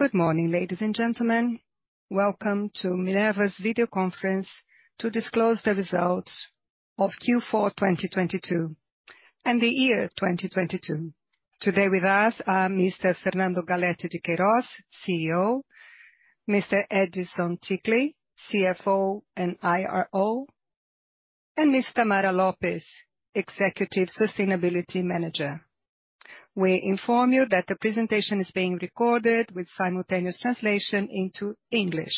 Good morning, ladies and gentlemen. Welcome to Minerva's video conference to disclose the results of Q4 2022 and the year 2022. Today with us are Mr. Fernando Galletti de Queiroz, CEO, Mr. Edison Ticle, CFO and IRO, and Ms. Tamara Lopes, executive sustainability manager. We inform you that the presentation is being recorded with simultaneous translation into English.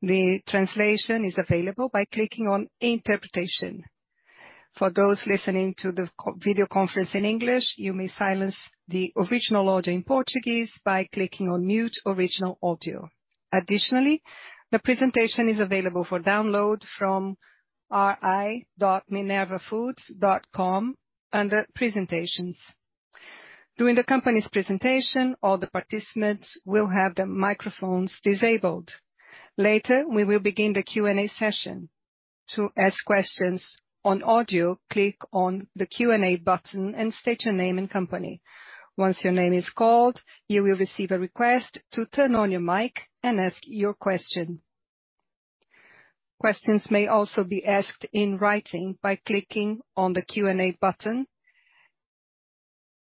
The translation is available by clicking on interpretation. For those listening to the video conference in English, you may silence the original audio in Portuguese by clicking on mute original audio. The presentation is available for download from ri.minervafoods.com under presentations. During the company's presentation, all the participants will have their microphones disabled. Later, we will begin the Q&A session. To ask questions on audio, click on the Q&A button and state your name and company. Once your name is called, you will receive a request to turn on your mic and ask your question. Questions may also be asked in writing by clicking on the Q&A button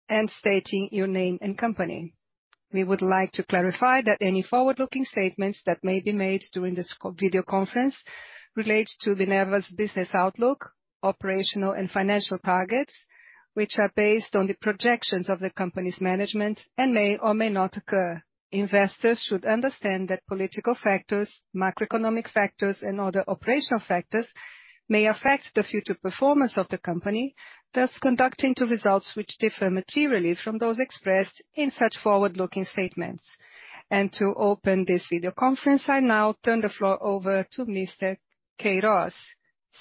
and stating your name and company. We would like to clarify that any forward-looking statements that may be made during this video conference relate to Minerva's business outlook, operational and financial targets, which are based on the projections of the company's management and may or may not occur. Investors should understand that political factors, macroeconomic factors and other operational factors may affect the future performance of the company, thus conducting to results which differ materially from those expressed in such forward-looking statements. To open this video conference, I now turn the floor over to Mr. Queiroz,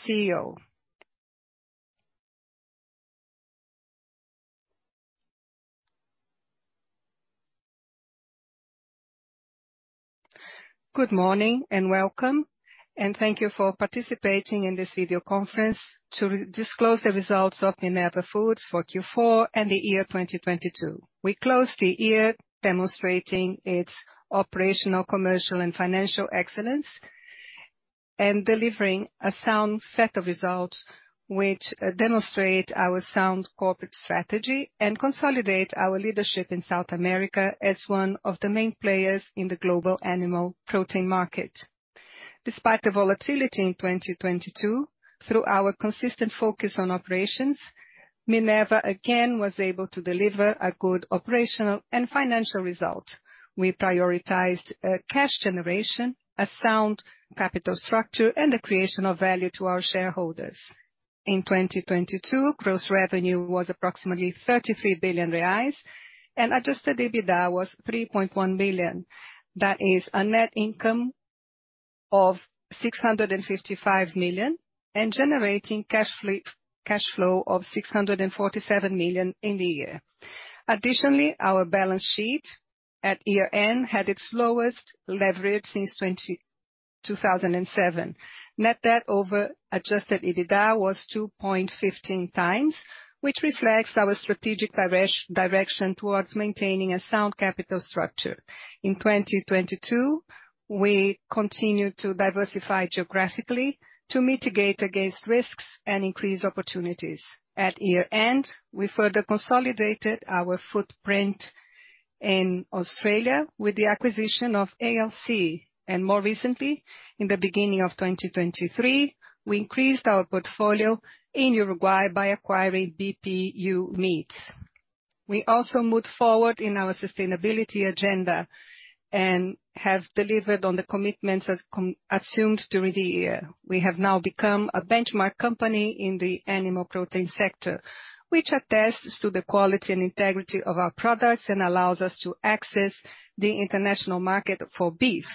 CEO. Good morning and welcome, thank you for participating in this video conference to disclose the results of Minerva Foods for Q4 and the year 2022. We closed the year demonstrating its operational, commercial, and financial excellence, delivering a sound set of results which demonstrate our sound corporate strategy and consolidate our leadership in South America as one of the main players in the global animal protein market. Despite the volatility in 2022, through our consistent focus on operations, Minerva again was able to deliver a good operational and financial result. We prioritized cash generation, a sound capital structure, and the creation of value to our shareholders. In 2022, gross revenue was approximately 33 billion reais, and adjusted EBITDA was 3.1 billion. That is a net income of 655 million, generating cash flow of 647 million in the year. Additionally, our balance sheet at year-end had its lowest leverage since 2007. Net debt over adjusted EBITDA was 2.15x, which reflects our strategic direction towards maintaining a sound capital structure. In 2022, we continued to diversify geographically to mitigate against risks and increase opportunities. At year-end, we further consolidated our footprint in Australia with the acquisition of ALC. More recently, in the beginning of 2023, we increased our portfolio in Uruguay by acquiring BPU Meat. We also moved forward in our sustainability agenda and have delivered on the commitments as assumed during the year. We have now become a benchmark company in the animal protein sector, which attests to the quality and integrity of our products and allows us to access the international market for beef.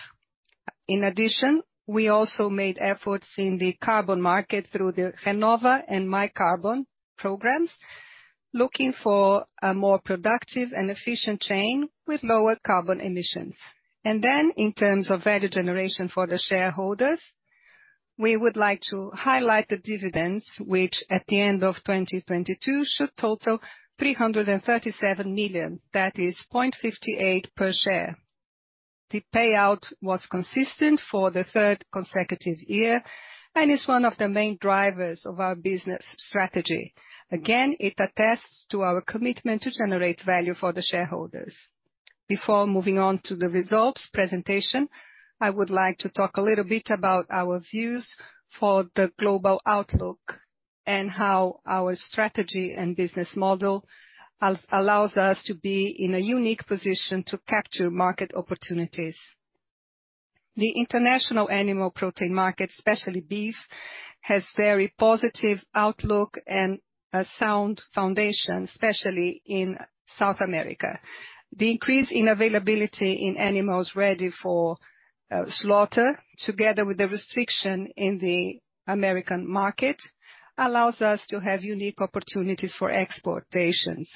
We also made efforts in the carbon market through the Renove and MyCarbon programs, looking for a more productive and efficient chain with lower carbon emissions. In terms of value generation for the shareholders, we would like to highlight the dividends, which at the end of 2022 should total 337 million, that is 0.58 per share. The payout was consistent for the third consecutive year and is one of the main drivers of our business strategy. Again, it attests to our commitment to generate value for the shareholders. Before moving on to the results presentation, I would like to talk a little bit about our views for the global outlook and how our strategy and business model allows us to be in a unique position to capture market opportunities. The international animal protein market, especially beef, has very positive outlook and a sound foundation, especially in South America. The increase in availability in animals ready for slaughter, together with the restriction in the American market, allows us to have unique opportunities for exportations.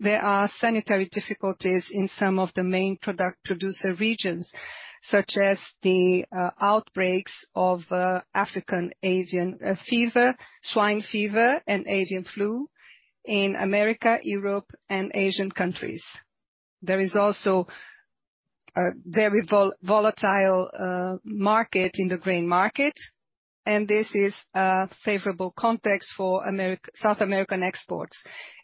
There are sanitary difficulties in some of the main product producer regions. Such as the outbreaks of African avian fever, swine fever, and avian flu in America, Europe, and Asian countries. There is also a very volatile market in the grain market. This is a favorable context for South American exports,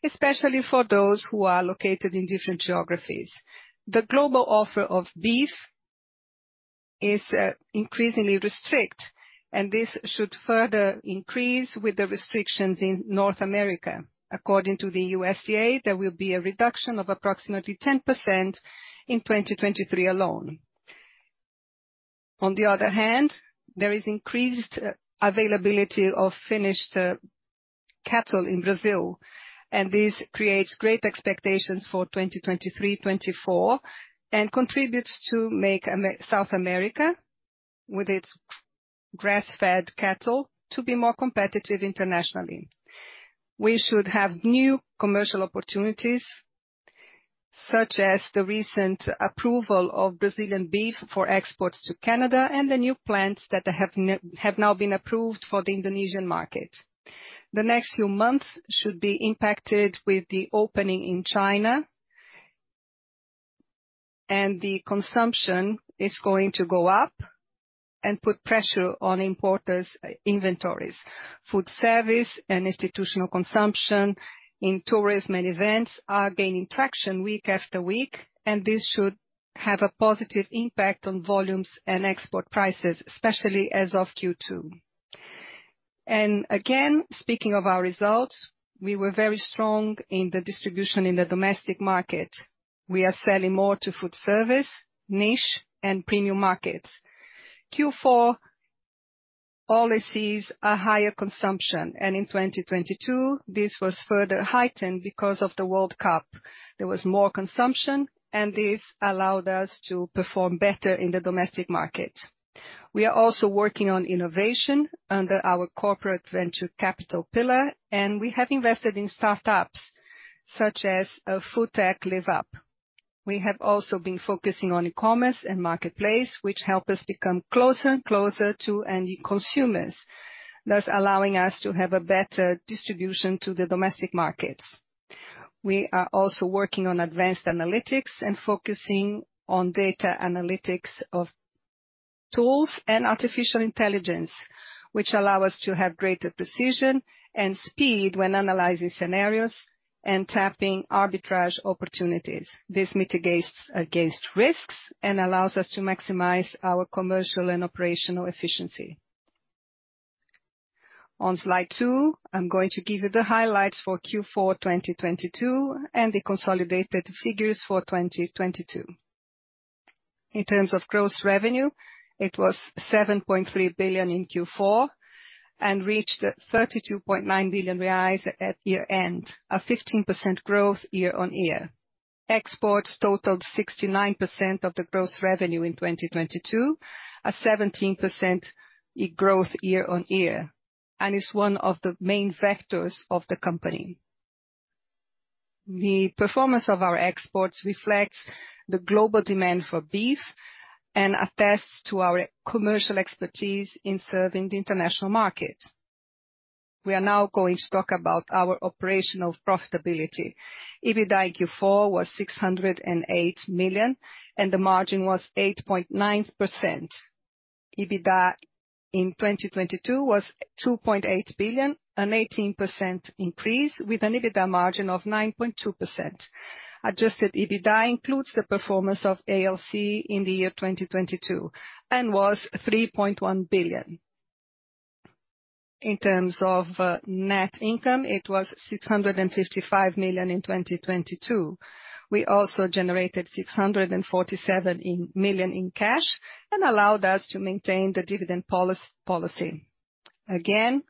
especially for those who are located in different geographies. The global offer of beef is increasingly restrict. This should further increase with the restrictions in North America. According to the USDA, there will be a reduction of approximately 10% in 2023 alone. On the other hand, there is increased availability of finished cattle in Brazil. This creates great expectations for 2023, 2024, and contributes to make South America, with its grass-fed cattle, to be more competitive internationally. We should have new commercial opportunities, such as the recent approval of Brazilian beef for exports to Canada and the new plants that have now been approved for the Indonesian market. The next few months should be impacted with the opening in China. The consumption is going to go up and put pressure on importers' inventories. Food service and institutional consumption in tourism and events are gaining traction week after week, and this should have a positive impact on volumes and export prices, especially as of Q2. Again, speaking of our results, we were very strong in the distribution in the domestic market. We are selling more to food service, niche and premium markets. Q4 always sees a higher consumption, in 2022, this was further heightened because of the World Cup. There was more consumption, this allowed us to perform better in the domestic market. We are also working on innovation under our corporate venture capital pillar, we have invested in start-ups such as Foodtech Liv Up. We have also been focusing on e-commerce and marketplace, which help us become closer and closer to end consumers, thus allowing us to have a better distribution to the domestic markets. We are also working on advanced analytics and focusing on data analytics of tools and artificial intelligence, which allow us to have greater precision and speed when analyzing scenarios and tapping arbitrage opportunities. This mitigates against risks and allows us to maximize our commercial and operational efficiency. On slide two, I'm going to give you the highlights for Q4 2022 and the consolidated figures for 2022. In terms of gross revenue, it was 7.3 billion in Q4 and reached 32.9 billion reais at year-end, a 15% growth year-on-year. Exports totaled 69% of the gross revenue in 2022, a 17% growth year-on-year, and is one of the main factors of the company. The performance of our exports reflects the global demand for beef and attests to our commercial expertise in serving the international market. We are now going to talk about our operational profitability. EBITDA Q4 was 608 million, and the margin was 8.9%. EBITDA in 2022 was 2.8 billion, an 18% increase with an EBITDA margin of 9.2%. Adjusted EBITDA includes the performance of ALC in the year 2022 and was 3.1 billion. In terms of net income, it was 655 million in 2022. We also generated 647 million in cash and allowed us to maintain the dividend policy. Again,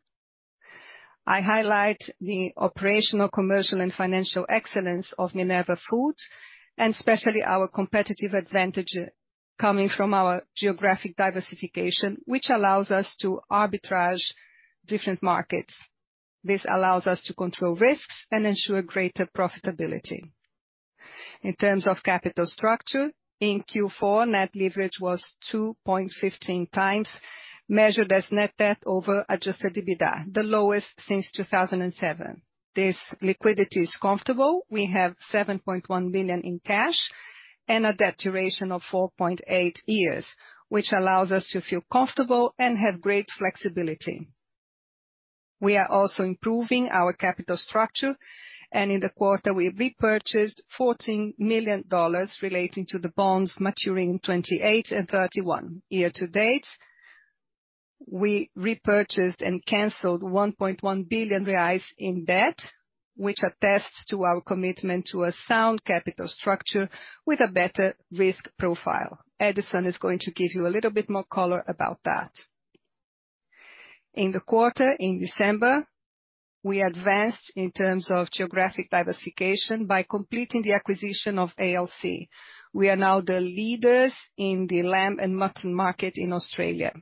I highlight the operational, commercial and financial excellence of Minerva Foods, and especially our competitive advantage coming from our geographic diversification, which allows us to arbitrage different markets. This allows us to control risks and ensure greater profitability. In terms of capital structure, in Q4, net leverage was 2.15x, measured as net debt over adjusted EBITDA, the lowest since 2007. This liquidity is comfortable. We have 7.1 billion in cash and a debt duration of 4.8 years, which allows us to feel comfortable and have great flexibility. We are also improving our capital structure, and in the quarter we repurchased $14 million relating to the bonds maturing in 28 and 31. Year to date, we repurchased and canceled 1.1 billion reais in debt, which attests to our commitment to a sound capital structure with a better risk profile. Edison is going to give you a little bit more color about that. In the quarter in December, we advanced in terms of geographic diversification by completing the acquisition of ALC. We are now the leaders in the lamb and mutton market in Australia.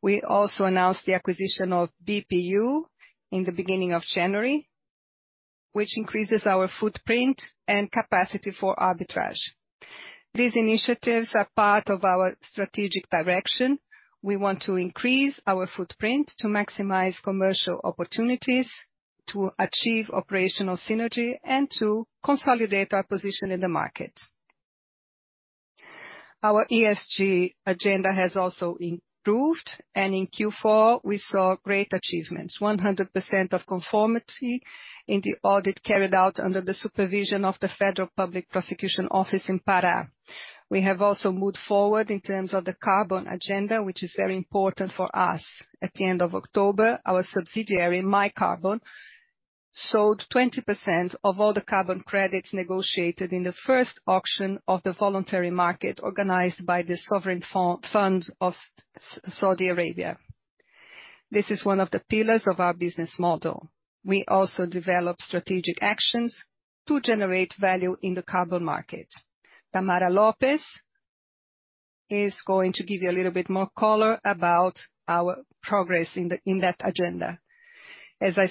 We also announced the acquisition of BPU in the beginning of January, which increases our footprint and capacity for arbitrage. These initiatives are part of our strategic direction. We want to increase our footprint to maximize commercial opportunities to achieve operational synergy and to consolidate our position in the market. Our ESG agenda has also improved, and in Q4 we saw great achievements. 100% of conformity in the audit carried out under the supervision of the Federal Public Prosecution Office in Pará. We have also moved forward in terms of the carbon agenda, which is very important for us. At the end of October, our subsidiary, MyCarbon, sold 20% of all the carbon credits negotiated in the first auction of the voluntary market organized by the Sovereign Fund of Saudi Arabia. This is one of the pillars of our business model. We also develop strategic actions to generate value in the carbon market. Tamara Lopes is going to give you a little bit more color about our progress in that agenda. As I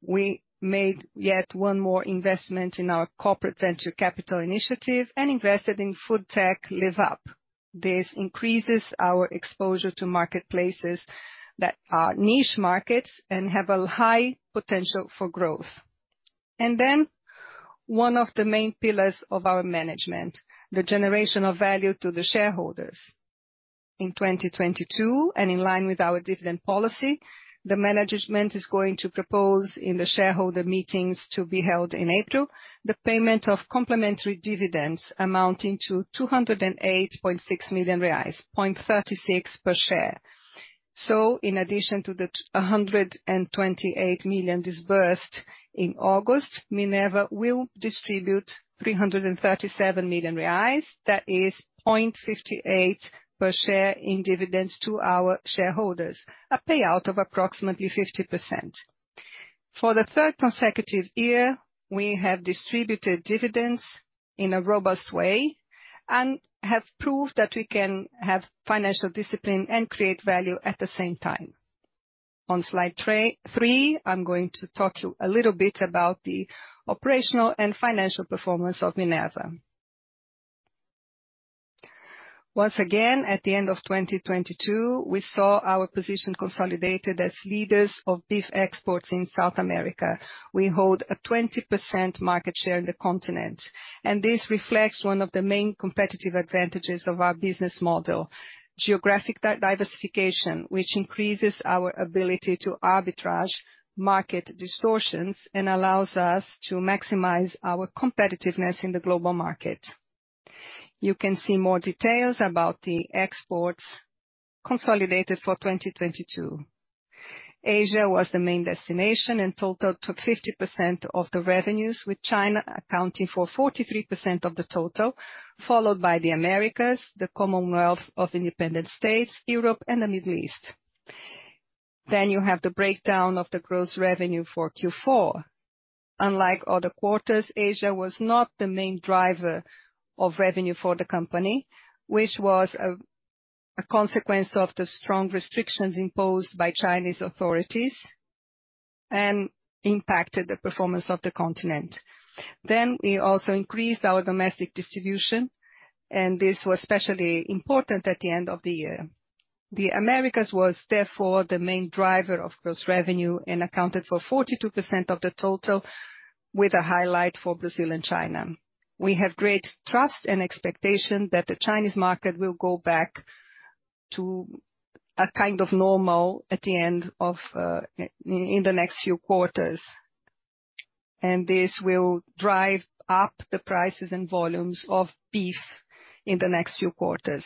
said, we made yet one more investment in our corporate venture capital initiative and invested in food tech LivUp. This increases our exposure to marketplaces that are niche markets and have a high potential for growth. One of the main pillars of our management, the generation of value to the shareholders. In 2022, in line with our dividend policy, the management is going to propose in the shareholder meetings to be held in April, the payment of complementary dividends amounting to 208.6 million reais, 0.36 per share. In addition to the 128 million disbursed in August, Minerva will distribute 337 million reais. That is 0.58 per share in dividends to our shareholders. A payout of approximately 50%. For the third consecutive year, we have distributed dividends in a robust way and have proved that we can have financial discipline and create value at the same time. On slide three, I'm going to talk to you a little bit about the operational and financial performance of Minerva. Once again, at the end of 2022, we saw our position consolidated as leaders of beef exports in South America. We hold a 20% market share in the continent. This reflects one of the main competitive advantages of our business model. Geographic diversification, which increases our ability to arbitrage market distortions and allows us to maximize our competitiveness in the global market. You can see more details about the exports consolidated for 2022. Asia was the main destination. Totaled 50% of the revenues, with China accounting for 43% of the total, followed by the Americas, the Commonwealth of Independent States, Europe and the Middle East. You have the breakdown of the gross revenue for Q4. Unlike other quarters, Asia was not the main driver of revenue for the company, which was a consequence of the strong restrictions imposed by Chinese authorities and impacted the performance of the continent. We also increased our domestic distribution, and this was especially important at the end of the year. The Americas was therefore the main driver of gross revenue and accounted for 42% of the total, with a highlight for Brazil and China. We have great trust and expectation that the Chinese market will go back to a kind of normal at the end of in the next few quarters, and this will drive up the prices and volumes of beef in the next few quarters.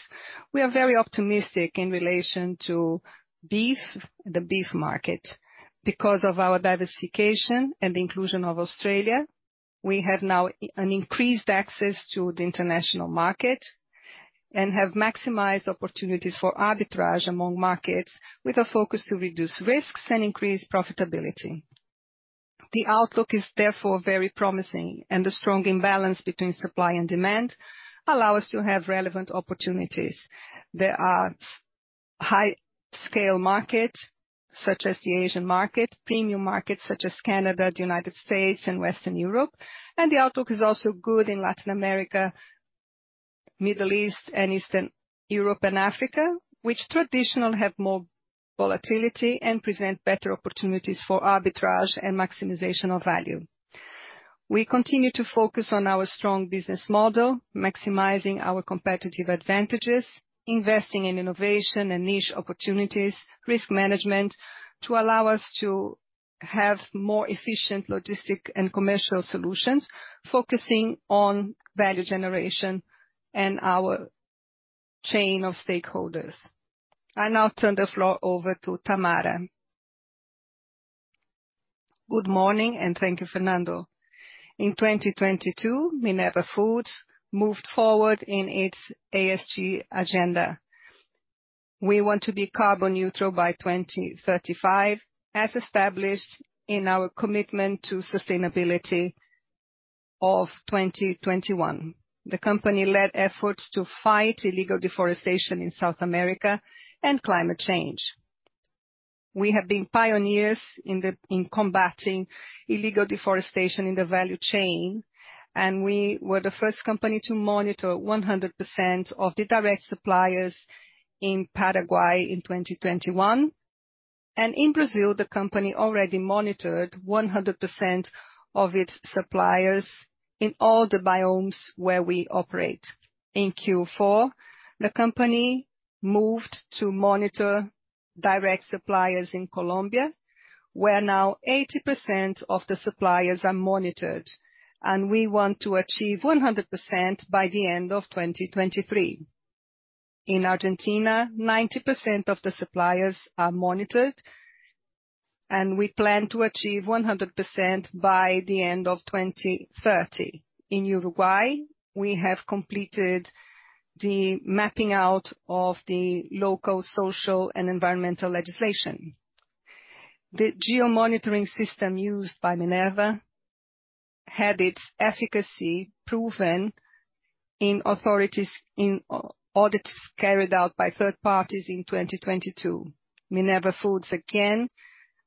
We are very optimistic in relation to beef, the beef market. Because of our diversification and the inclusion of Australia, we have now an increased access to the international market and have maximized opportunities for arbitrage among markets with a focus to reduce risks and increase profitability. The outlook is therefore very promising, and the strong imbalance between supply and demand allow us to have relevant opportunities. There are high scale markets such as the Asian market, premium markets such as Canada, the United States and Western Europe. The outlook is also good in Latin America, Middle East and Eastern Europe and Africa, which traditionally have more volatility and present better opportunities for arbitrage and maximization of value. We continue to focus on our strong business model, maximizing our competitive advantages, investing in innovation and niche opportunities, risk management to allow us to have more efficient logistic and commercial solutions, focusing on value generation and our chain of stakeholders. I now turn the floor over to Tamara. Good morning and thank you, Fernando. In 2022, Minerva Foods moved forward in its ESG agenda. We want to be carbon neutral by 2035, as established in our commitment to sustainability of 2021. The company led efforts to fight illegal deforestation in South America and climate change. We have been pioneers in combating illegal deforestation in the value chain, and we were the first company to monitor 100% of the direct suppliers in Paraguay in 2021. In Brazil, the company already monitored 100% of its suppliers in all the biomes where we operate. In Q4, the company moved to monitor direct suppliers in Colombia, where now 80% of the suppliers are monitored, and we want to achieve 100% by the end of 2023. In Argentina, 90% of the suppliers are monitored, and we plan to achieve 100% by the end of 2030. In Uruguay, we have completed the mapping out of the local, social, and environmental legislation. The geo-monitoring system used by Minerva had its efficacy proven in authorities in audits carried out by third parties in 2022. Minerva Foods again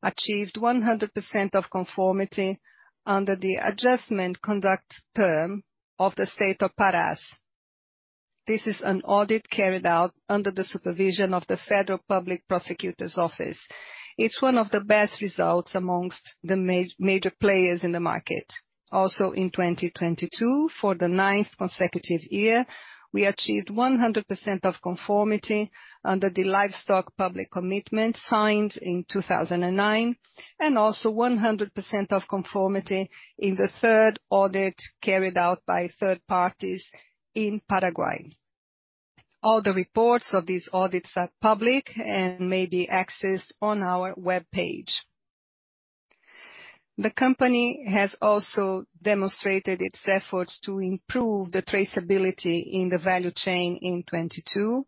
achieved 100% of conformity under the Conduct Adjustment Term of the State of Pará. This is an audit carried out under the supervision of the Federal Public Prosecutor's Office. It's one of the best results amongst the major players in the market. In 2022, for the ninth consecutive year, we achieved 100% of conformity under the Livestock Public Commitment signed in 2009, and 100% of conformity in the third audit carried out by third parties in Paraguay. All the reports of these audits are public and may be accessed on our webpage. The company has demonstrated its efforts to improve the traceability in the value chain in 2022,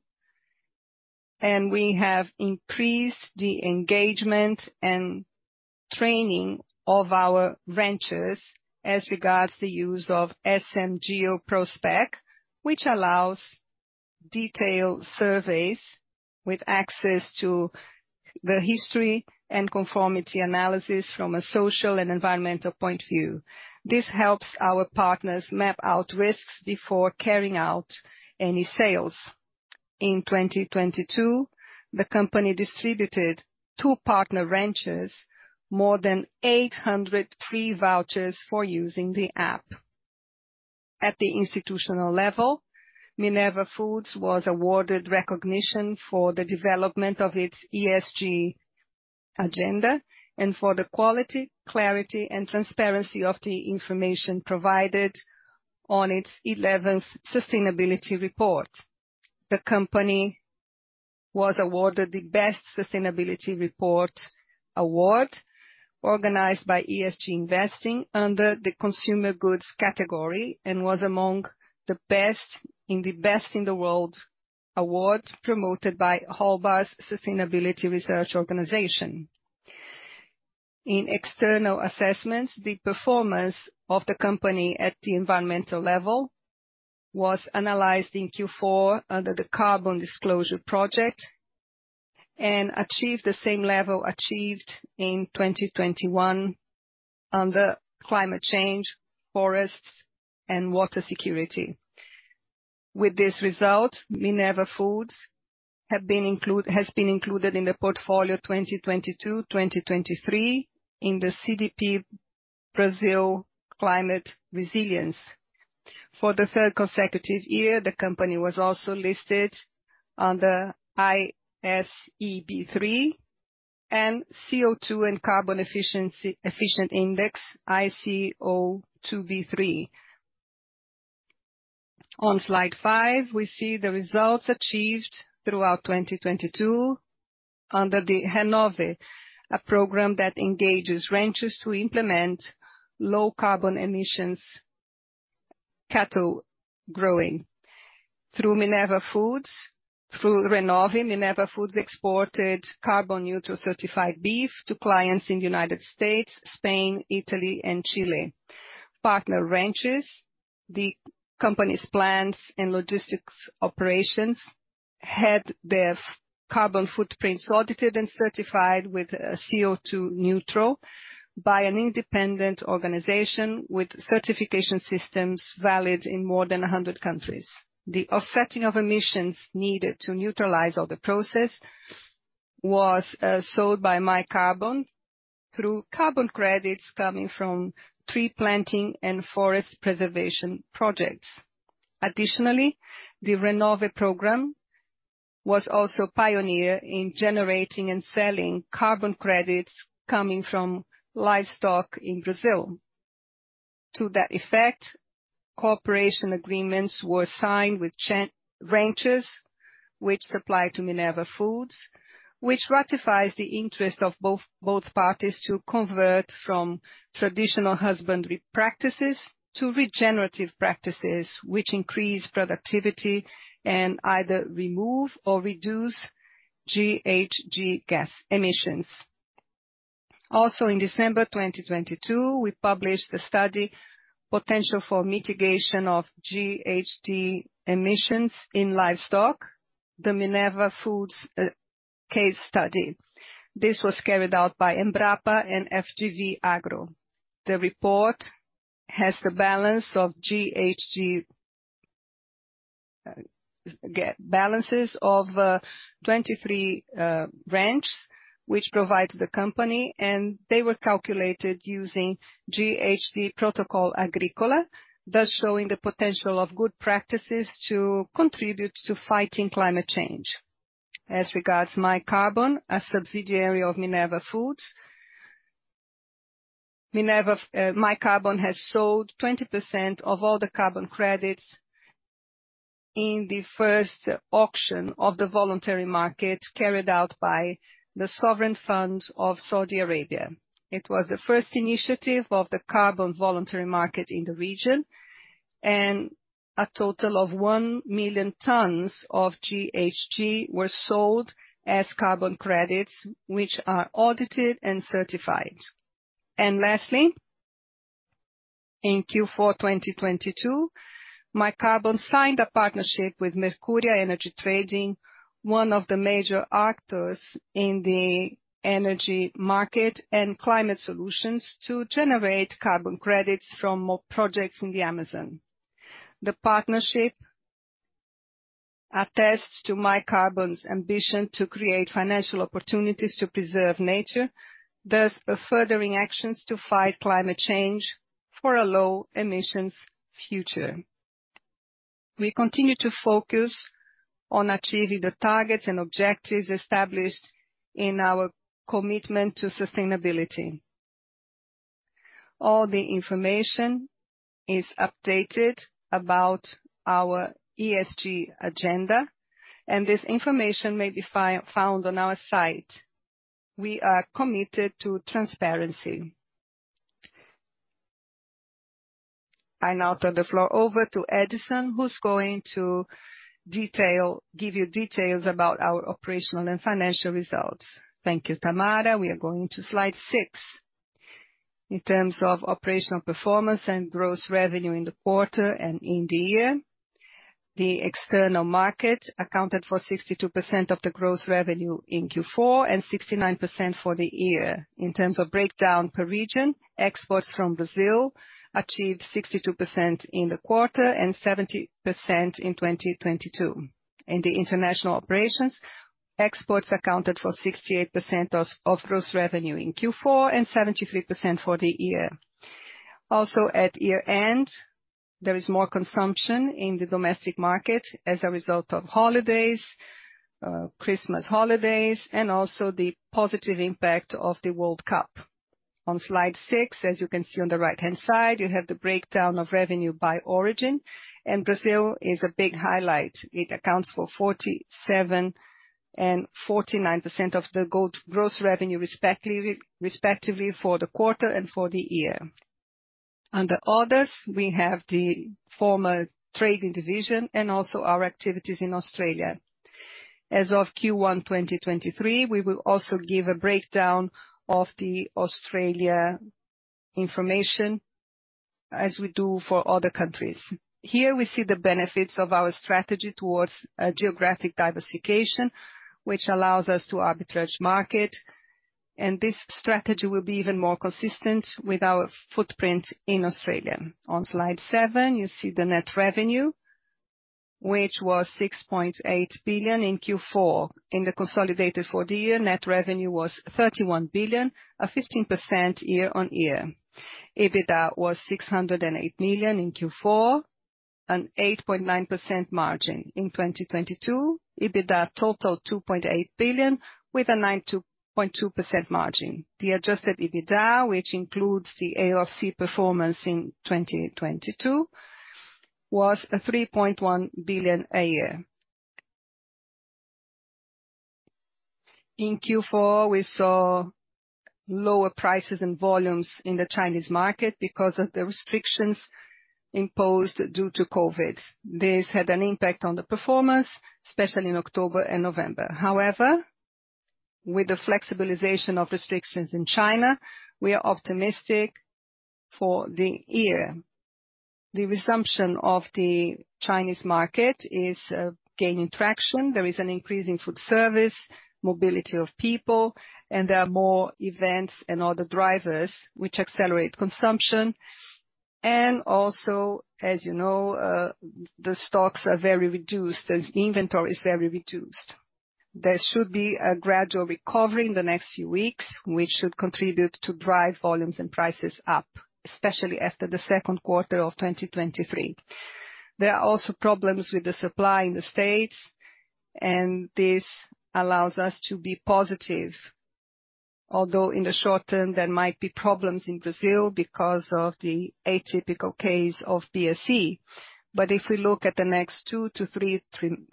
and we have increased the engagement and training of our ranchers as regards the use of SMGeo Prospec, which allows detailed surveys with access to the history and conformity analysis from a social and environmental point of view. This helps our partners map out risks before carrying out any sales. In 2022, the company distributed to partner ranchers more than 800 free vouchers for using the app. At the institutional level, Minerva Foods was awarded recognition for the development of its ESG agenda and for the quality, clarity, and transparency of the information provided on its 11th sustainability report. The company was awarded the Best Sustainability Report award organized by ESG Investing under the Consumer Goods category and was among in the Best in the World award promoted by Hallbars Sustainability Research Organization. In external assessments, the performance of the company at the environmental level was analyzed in Q4 under the Carbon Disclosure Project and achieved the same level achieved in 2021 under climate change, forests, and water security. With this result, Minerva Foods has been included in the portfolio 2022/2023 in the CDP Brazil Climate Resilience. For the third consecutive year, the company was also listed under ISE B3 and CO2 and Carbon Efficient Index ICO2 B3. On slide five, we see the results achieved throughout 2022 under the Renove, a program that engages ranchers to implement low-carbon emissions cattle growing. Through Renove, Minerva Foods exported CO2 Neutral certified beef to clients in the United States, Spain, Italy, and Chile. Partner ranches, the company's plants and logistics operations had their carbon footprints audited and certified with CO2 Neutral by an independent organization with certification systems valid in more than 100 countries. The offsetting of emissions needed to neutralize all the process was sold by MyCarbon through carbon credits coming from tree planting and forest preservation projects. Additionally, the Renove program was also pioneer in generating and selling carbon credits coming from livestock in Brazil. To that effect, cooperation agreements were signed with ranchers which supply to Minerva Foods, which ratifies the interest of both parties to convert from traditional husbandry practices to regenerative practices, which increase productivity and either remove or reduce GHG gas emissions. In December 2022, we published the study Potential for Mitigation of GHG Emissions in Livestock: The Minerva Foods case study. This was carried out by Embrapa and FGV Agro. Get balances of 23 ranches which provide the company, and they were calculated using GHG Protocol Agropecuário, thus showing the potential of good practices to contribute to fighting climate change. MyCarbon, a subsidiary of Minerva Foods. Minerva MyCarbon has sold 20% of all the carbon credits in the first auction of the voluntary market carried out by the sovereign fund of Saudi Arabia. It was the first initiative of the carbon voluntary market in the region, a total of one million tons of GHG were sold as carbon credits, which are audited and certified. Lastly, in Q4 2022, MyCarbon signed a partnership with Mercuria Energy Trading, one of the major actors in the energy market and climate solutions to generate carbon credits from more projects in the Amazon. The partnership attests to MyCarbon's ambition to create financial opportunities to preserve nature, thus furthering actions to fight climate change for a low-emissions future. We continue to focus on achieving the targets and objectives established in our commitment to sustainability. All the information is updated about our ESG agenda, this information may be found on our site. We are committed to transparency. I now turn the floor over to Edison, who's going to give you details about our operational and financial results. Thank you, Tamara. We are going to slide six. In terms of operational performance and gross revenue in the quarter and in the year, the external market accounted for 62% of the gross revenue in Q4, and 69% for the year. In terms of breakdown per region, exports from Brazil achieved 62% in the quarter and 70% in 2022. In the international operations, exports accounted for 68% of gross revenue in Q4, and 73% for the year. At year-end, there is more consumption in the domestic market as a result of holidays, Christmas holidays, and also the positive impact of the World Cup. On slide six, as you can see on the right-hand side, you have the breakdown of revenue by origin. Brazil is a big highlight. It accounts for 47% and 49% of the gross revenue, respectively for the quarter and for the year. Under others, we have the former trading division and also our activities in Australia. As of Q1 2023, we will also give a breakdown of the Australia information as we do for other countries. Here we see the benefits of our strategy towards a geographic diversification, which allows us to arbitrage market. This strategy will be even more consistent with our footprint in Australia. On slide seven, you see the net revenue, which was 6.8 billion in Q4. In the consolidated for the year, net revenue was 31 billion, a 15% year-over-year. EBITDA was 608 million in Q4, an 8.9% margin. In 2022, EBITDA totaled 2.8 billion with a 9.2% margin. The adjusted EBITDA, which includes the ALC performance in 2022, was 3.1 billion a year. In Q4, we saw lower prices and volumes in the Chinese market because of the restrictions imposed due to COVID. This had an impact on the performance, especially in October and November. With the flexibilization of restrictions in China, we are optimistic for the year. The resumption of the Chinese market is gaining traction. There is an increase in food service, mobility of people, and there are more events and other drivers which accelerate consumption. Also, as you know, the stocks are very reduced and inventory is very reduced. There should be a gradual recovery in the next few weeks, which should contribute to drive volumes and prices up, especially after the second quarter of 2023. There are also problems with the supply in the States, and this allows us to be positive. Although in the short term, there might be problems in Brazil because of the atypical case of BSE. But if we look at the next two-three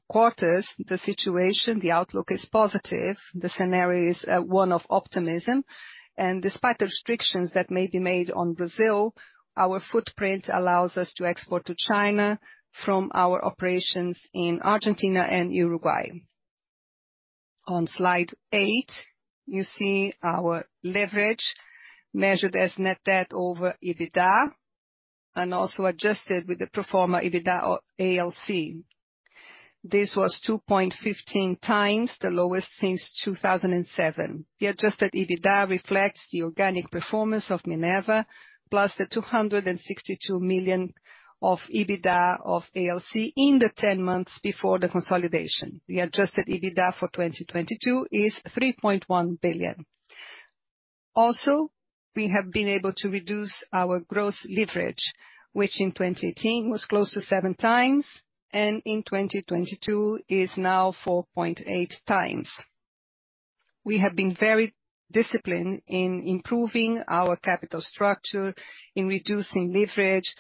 quarters, the situation, the outlook is positive. The scenario is one of optimism. Despite the restrictions that may be made on Brazil, our footprint allows us to export to China from our operations in Argentina and Uruguay. On slide eight, you see our leverage measured as net debt over EBITDA and also adjusted with the pro forma EBITDA ALC. This was 2.15x the lowest since 2007. The adjusted EBITDA reflects the organic performance of Minerva, plus the 262 million of EBITDA of ALC in the 10 months before the consolidation. The adjusted EBITDA for 2022 is 3.1 billion. We have been able to reduce our gross leverage, which in 2018 was close to 7x, and in 2022 is now 4.8x. We have been very disciplined in improving our capital structure, in reducing leverage,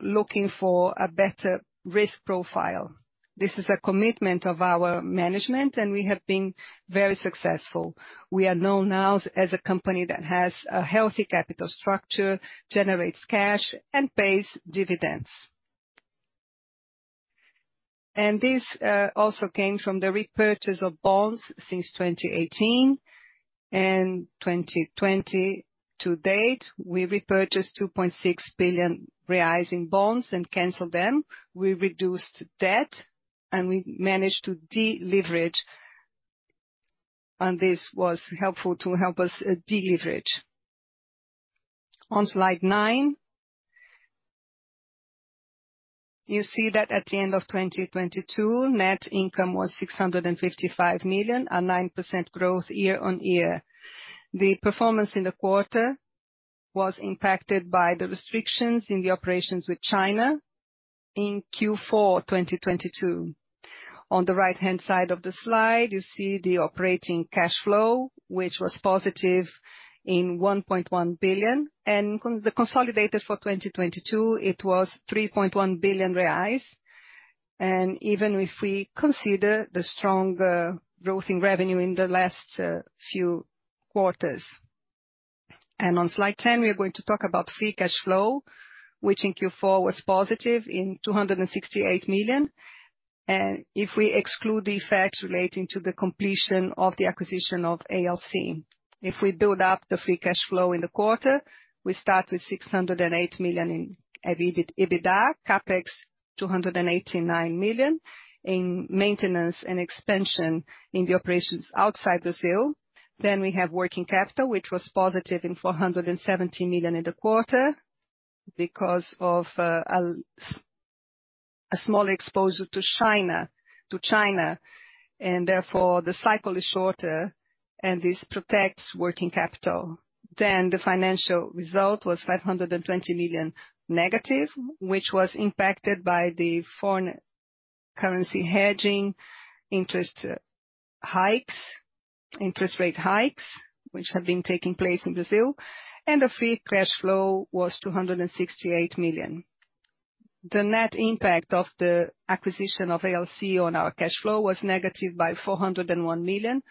looking for a better risk profile. This is a commitment of our management and we have been very successful. We are known now as a company that has a healthy capital structure, generates cash and pays dividends. This also came from the repurchase of bonds since 2018 and 2020 to date. We repurchased 2.6 billion reais in bonds and canceled them. We reduced debt and we managed to deleverage, and this was helpful to help us deleverage. On slide nine. You see that at the end of 2022, net income was 655 million, a 9% growth year-on-year. The performance in the quarter was impacted by the restrictions in the operations with China in Q4 2022. On the right-hand side of the slide, you see the operating cash flow, which was positive in 1.1 billion, and the consolidated for 2022 it was 3.1 billion reais. Even if we consider the strong growth in revenue in the last few quarters. On slide 10, we are going to talk about free cash flow, which in Q4 was positive in 268 million. If we exclude the effects relating to the completion of the acquisition of ALC. If we build up the free cash flow in the quarter, we start with 608 million in EBITDA, CapEx 289 million in maintenance and expansion in the operations outside Brazil. We have working capital, which was positive in 470 million in the quarter because of a small exposure to China, and therefore the cycle is shorter and this protects working capital. The financial result was 520 million negative, which was impacted by the foreign currency hedging, interest hikes, interest rate hikes, which have been taking place in Brazil, and the free cash flow was 268 million. The net impact of the acquisition of ALC on our cash flow was negative by 401 million,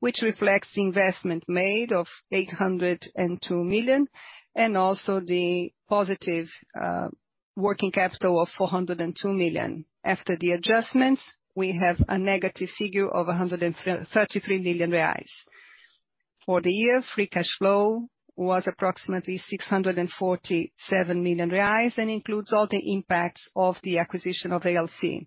which reflects the investment made of 802 million, and also the positive working capital of 402 million. After the adjustments, we have a negative figure of 133 million reais. For the year, free cash flow was approximately 647 million reais and includes all the impacts of the acquisition of ALC.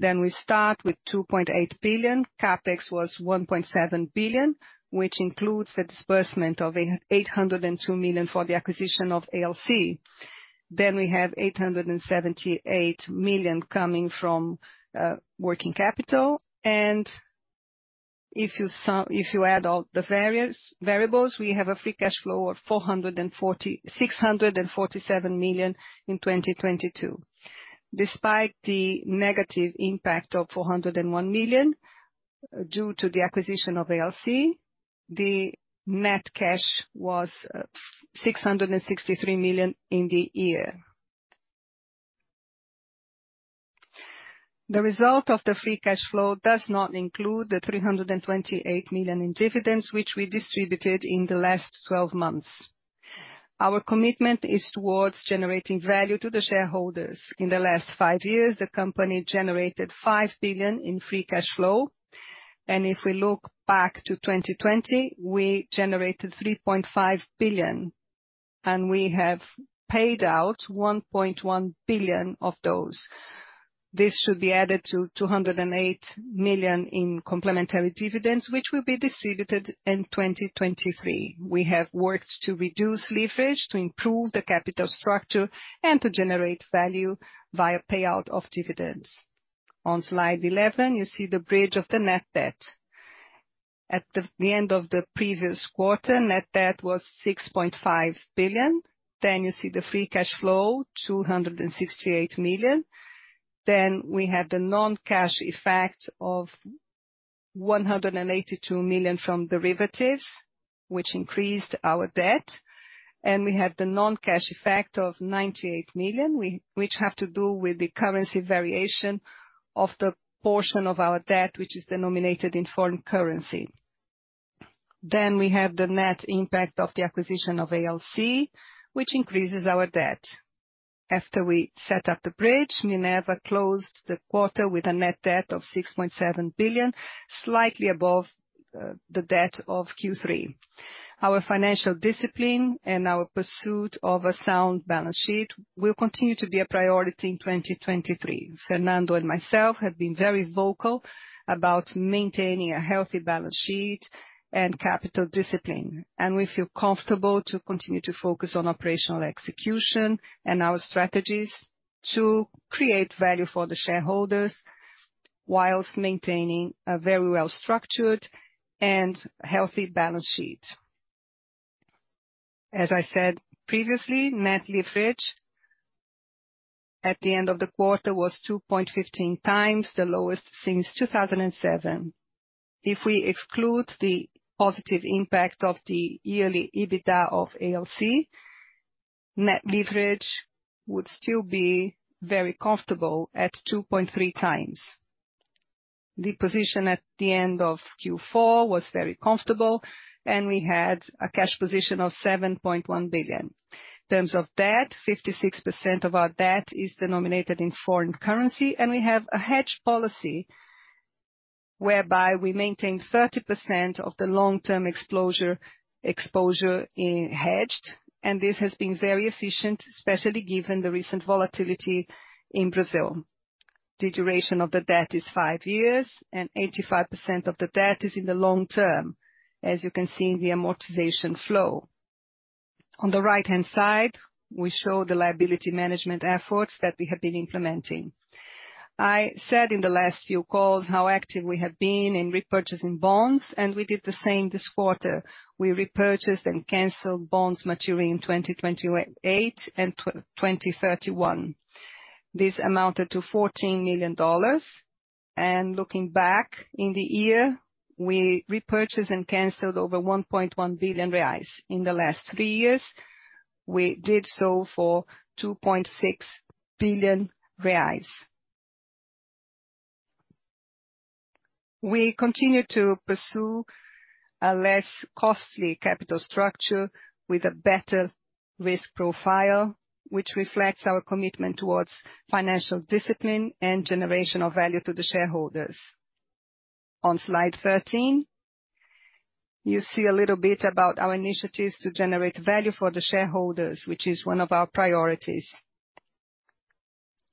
We start with 2.8 billion. CapEx was 1.7 billion, which includes the disbursement of 802 million for the acquisition of ALC. We have 878 million coming from working capital. If you add all the various variables, we have a free cash flow of 647 million in 2022. Despite the negative impact of 401 million due to the acquisition of ALC, the net cash was 663 million in the year. The result of the free cash flow does not include the 328 million in dividends, which we distributed in the last 12 months. Our commitment is towards generating value to the shareholders. In the last five years, the company generated 5 billion in free cash flow. If we look back to 2020, we generated 3.5 billion, and we have paid out 1.1 billion of those. This should be added to 208 million in complementary dividends, which will be distributed in 2023. We have worked to reduce leverage, to improve the capital structure, and to generate value via payout of dividends. On slide 11, you see the bridge of the net debt. At the end of the previous quarter, net debt was 6.5 billion. You see the free cash flow, 268 million. We had the non-cash effect of 182 million from derivatives, which increased our debt, and we had the non-cash effect of 98 million, which have to do with the currency variation of the portion of our debt which is denominated in foreign currency. We have the net impact of the acquisition of ALC, which increases our debt. After we set up the bridge, Minerva closed the quarter with a net debt of 6.7 billion, slightly above the debt of Q3. Our financial discipline and our pursuit of a sound balance sheet will continue to be a priority in 2023. Fernando and myself have been very vocal about maintaining a healthy balance sheet and capital discipline. We feel comfortable to continue to focus on operational execution and our strategies to create value for the shareholders while maintaining a very well-structured and healthy balance sheet. As I said previously, net leverage at the end of the quarter was 2.15x, the lowest since 2007. If we exclude the positive impact of the yearly EBITDA of ALC, net leverage would still be very comfortable at 2.3x. The position at the end of Q4 was very comfortable. We had a cash position of 7.1 billion. In terms of debt, 56% of our debt is denominated in foreign currency. We have a hedge policy whereby we maintain 30% of the long-term exposure is hedged, and this has been very efficient, especially given the recent volatility in Brazil. The duration of the debt is five years, and 85% of the debt is in the long term, as you can see in the amortization flow. On the right-hand side, we show the liability management efforts that we have been implementing. I said in the last few calls how active we have been in repurchasing bonds. We did the same this quarter. We repurchased and canceled bonds maturing in 2028 and 2031. This amounted to $14 million. Looking back in the year, we repurchased and canceled over 1.1 billion reais. In the last three years, we did so for 2.6 billion reais. We continue to pursue a less costly capital structure with a better risk profile, which reflects our commitment towards financial discipline and generation of value to the shareholders. On slide 13, you see a little bit about our initiatives to generate value for the shareholders, which is one of our priorities.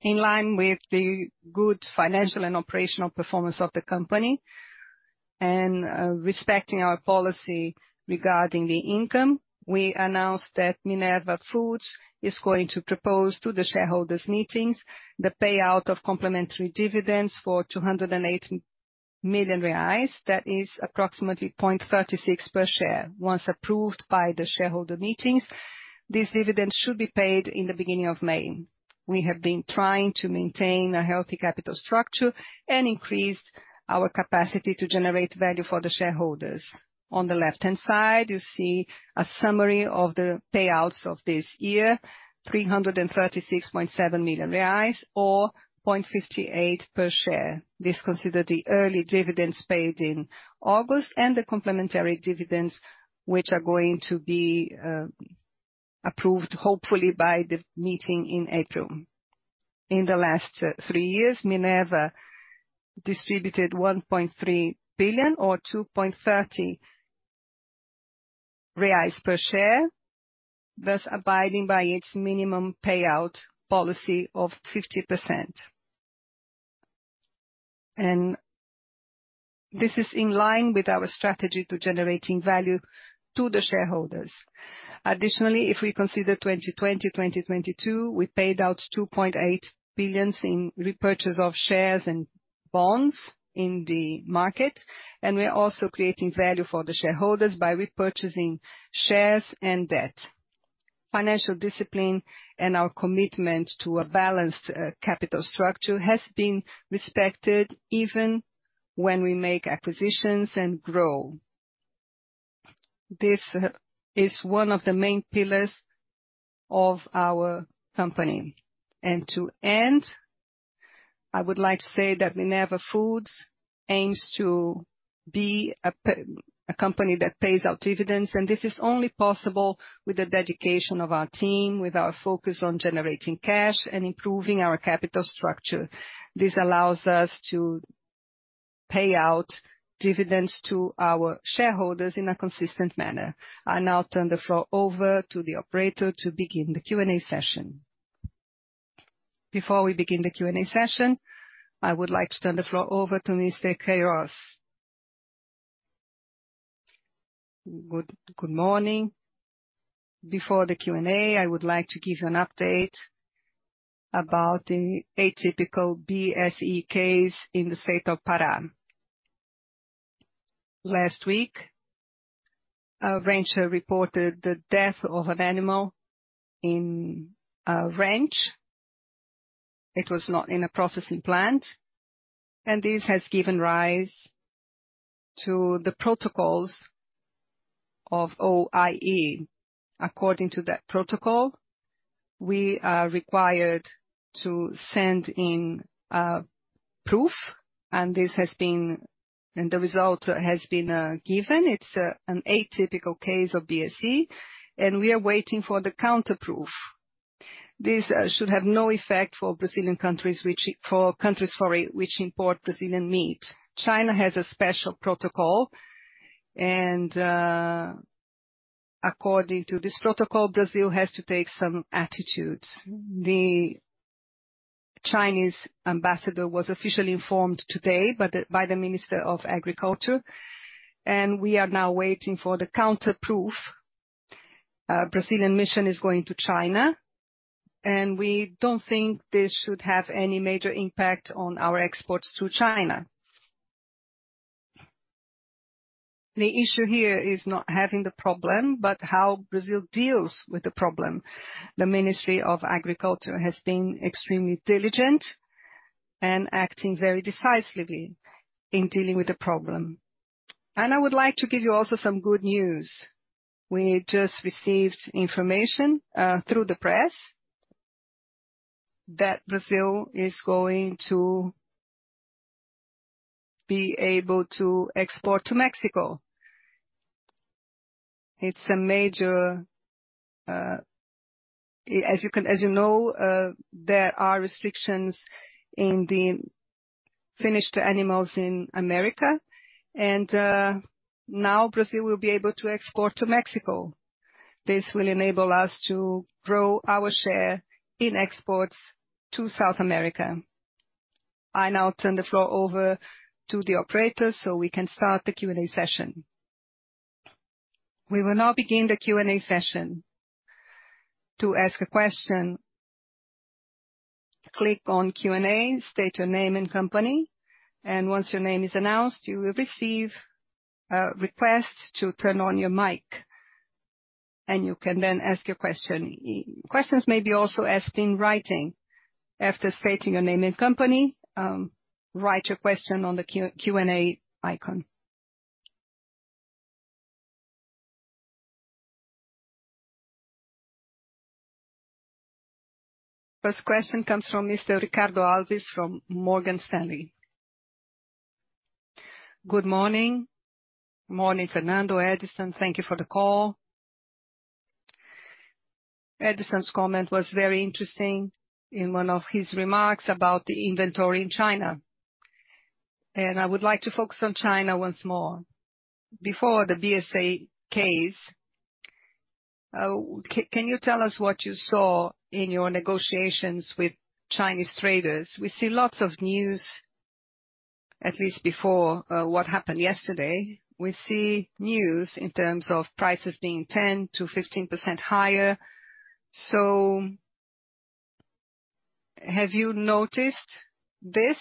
In line with the good financial and operational performance of the company and respecting our policy regarding the income, we announced that Minerva Foods is going to propose to the shareholders meetings the payout of complementary dividends for 280 million reais. That is approximately 0.36 per share. Once approved by the shareholder meetings, this dividend should be paid in the beginning of May. We have been trying to maintain a healthy capital structure and increase our capacity to generate value for the shareholders. On the left-hand side, you see a summary of the payouts of this year, 336.7 million reais or 0.58 per share. This considers the early dividends paid in August and the complementary dividends, which are going to be approved hopefully by the meeting in April. In the last three years, Minerva distributed 1.3 billion or 2.30 reais per share, thus abiding by its minimum payout policy of 50%. This is in line with our strategy to generating value to the shareholders. Additionally, if we consider 2020, 2022, we paid out $2.8 billion in repurchase of shares and bonds in the market, and we are also creating value for the shareholders by repurchasing shares and debt. Financial discipline and our commitment to a balanced capital structure has been respected even when we make acquisitions and grow. This is one of the main pillars of our company. To end, I would like to say that Minerva Foods aims to be a company that pays out dividends, and this is only possible with the dedication of our team, with our focus on generating cash and improving our capital structure. This allows us to pay out dividends to our shareholders in a consistent manner. I now turn the floor over to the operator to begin the Q&A session. Before we begin the Q&A session, I would like to turn the floor over to Mr. Queiroz. Good morning. Before the Q&A, I would like to give you an update about the atypical BSE case in the state of Pará. Last week, a rancher reported the death of an animal in a ranch. It was not in a processing plant. This has given rise to the protocols of OIE. According to that protocol, we are required to send in proof, and the result has been given. It's an atypical case of BSE, we are waiting for the counter proof. This should have no effect for countries, sorry, which import Brazilian meat. China has a special protocol, according to this protocol, Brazil has to take some attitudes. The Chinese ambassador was officially informed today by the Minister of Agriculture. We are now waiting for the counter proof. A Brazilian mission is going to China. We don't think this should have any major impact on our exports to China. The issue here is not having the problem, but how Brazil deals with the problem. The Ministry of Agriculture has been extremely diligent and acting very decisively in dealing with the problem. I would like to give you also some good news. We just received information through the press that Brazil is going to be able to export to Mexico. It's a major. As you know, there are restrictions in the finished animals in America and now Brazil will be able to export to Mexico. This will enable us to grow our share in exports to South America. I now turn the floor over to the operator so we can start the Q&A session. We will now begin the Q&A session. To ask a question, click on Q&A, state your name and company, and once your name is announced, you will receive a request to turn on your mic, and you can then ask your question. Questions may be also asked in writing. After stating your name and company, write your question on the Q&A icon. First question comes from Mr. Ricardo Alves from Morgan Stanley. Good morning. Morning, Fernando, Edison. Thank you for the call. Edison's comment was very interesting in one of his remarks about the inventory in China, and I would like to focus on China once more. Before the BSE case, can you tell us what you saw in your negotiations with Chinese traders? We see lots of news, at least before, what happened yesterday. We see news in terms of prices being 10%-15% higher. Have you noticed this?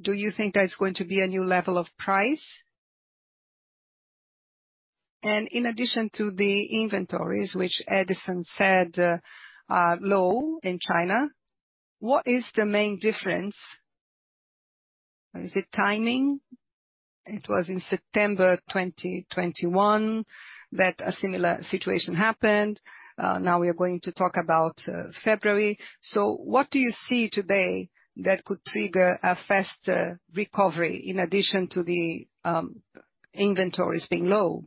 Do you think there's going to be a new level of price? In addition to the inventories which Edison said are low in China, what is the main difference? Is it timing? It was in September 2021 that a similar situation happened. Now we are going to talk about February. What do you see today that could trigger a faster recovery in addition to the inventories being low?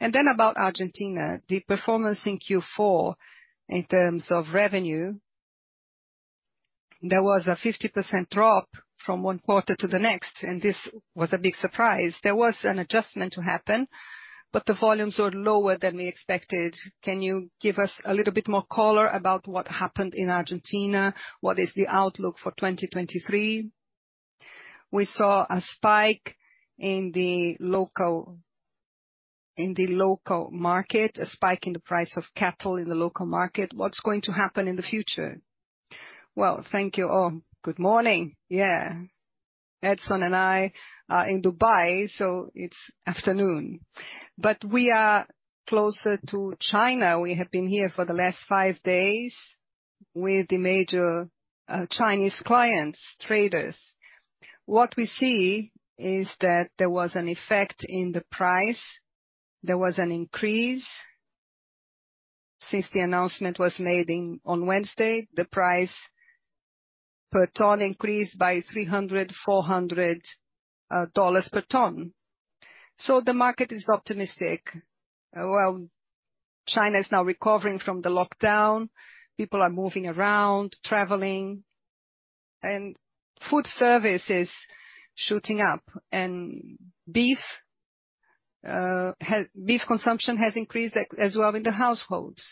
About Argentina, the performance in Q4 in terms of revenue, there was a 50% drop from one quarter to the next, this was a big surprise. There was an adjustment to happen, the volumes were lower than we expected. Can you give us a little bit more color about what happened in Argentina? What is the outlook for 2023? We saw a spike in the local market, a spike in the price of cattle in the local market. What's going to happen in the future? Thank you. Good morning. Edison and I are in Dubai, it's afternoon, we are closer to China. We have been here for the last five days with the major Chinese clients, traders. What we see is that there was an effect in the price. There was an increase. Since the announcement was made on Wednesday, the price per ton increased by $300-$400 per ton. The market is optimistic. China is now recovering from the lockdown. People are moving around, traveling, and food service is shooting up. Beef consumption has increased as well in the households.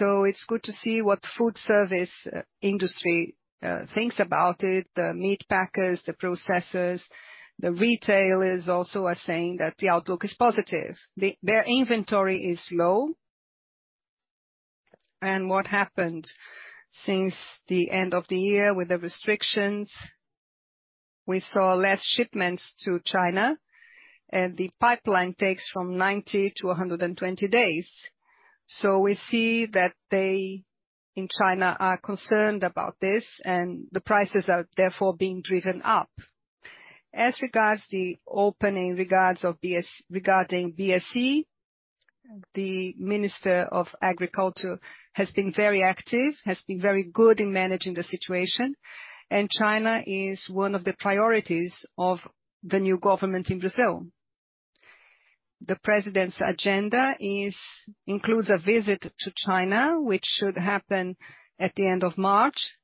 It's good to see what food service industry thinks about it. The meat packers, the processors, the retailers also are saying that the outlook is positive. Their inventory is low. What happened since the end of the year with the restrictions, we saw less shipments to China, and the pipeline takes from 90-120 days. We see that they, in China, are concerned about this. The prices are therefore being driven up. As regards the opening regarding BSE, the Minister of Agriculture has been very active, has been very good in managing the situation, and China is one of the priorities of the new government in Brazil. The President's agenda includes a visit to China, which should happen at the end of March.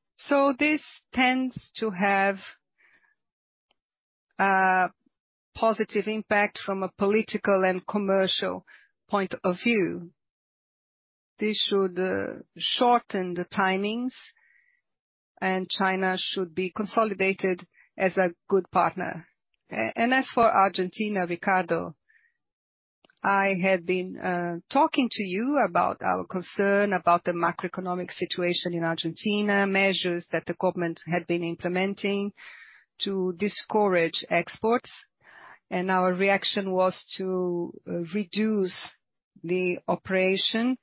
This tends to have a positive impact from a political and commercial point of view. This should shorten the timings, and China should be consolidated as a good partner. And as for Argentina, Ricardo, I have been talking to you about our concern about the macroeconomic situation in Argentina, measures that the government had been implementing to discourage exports. Our reaction was to reduce the operation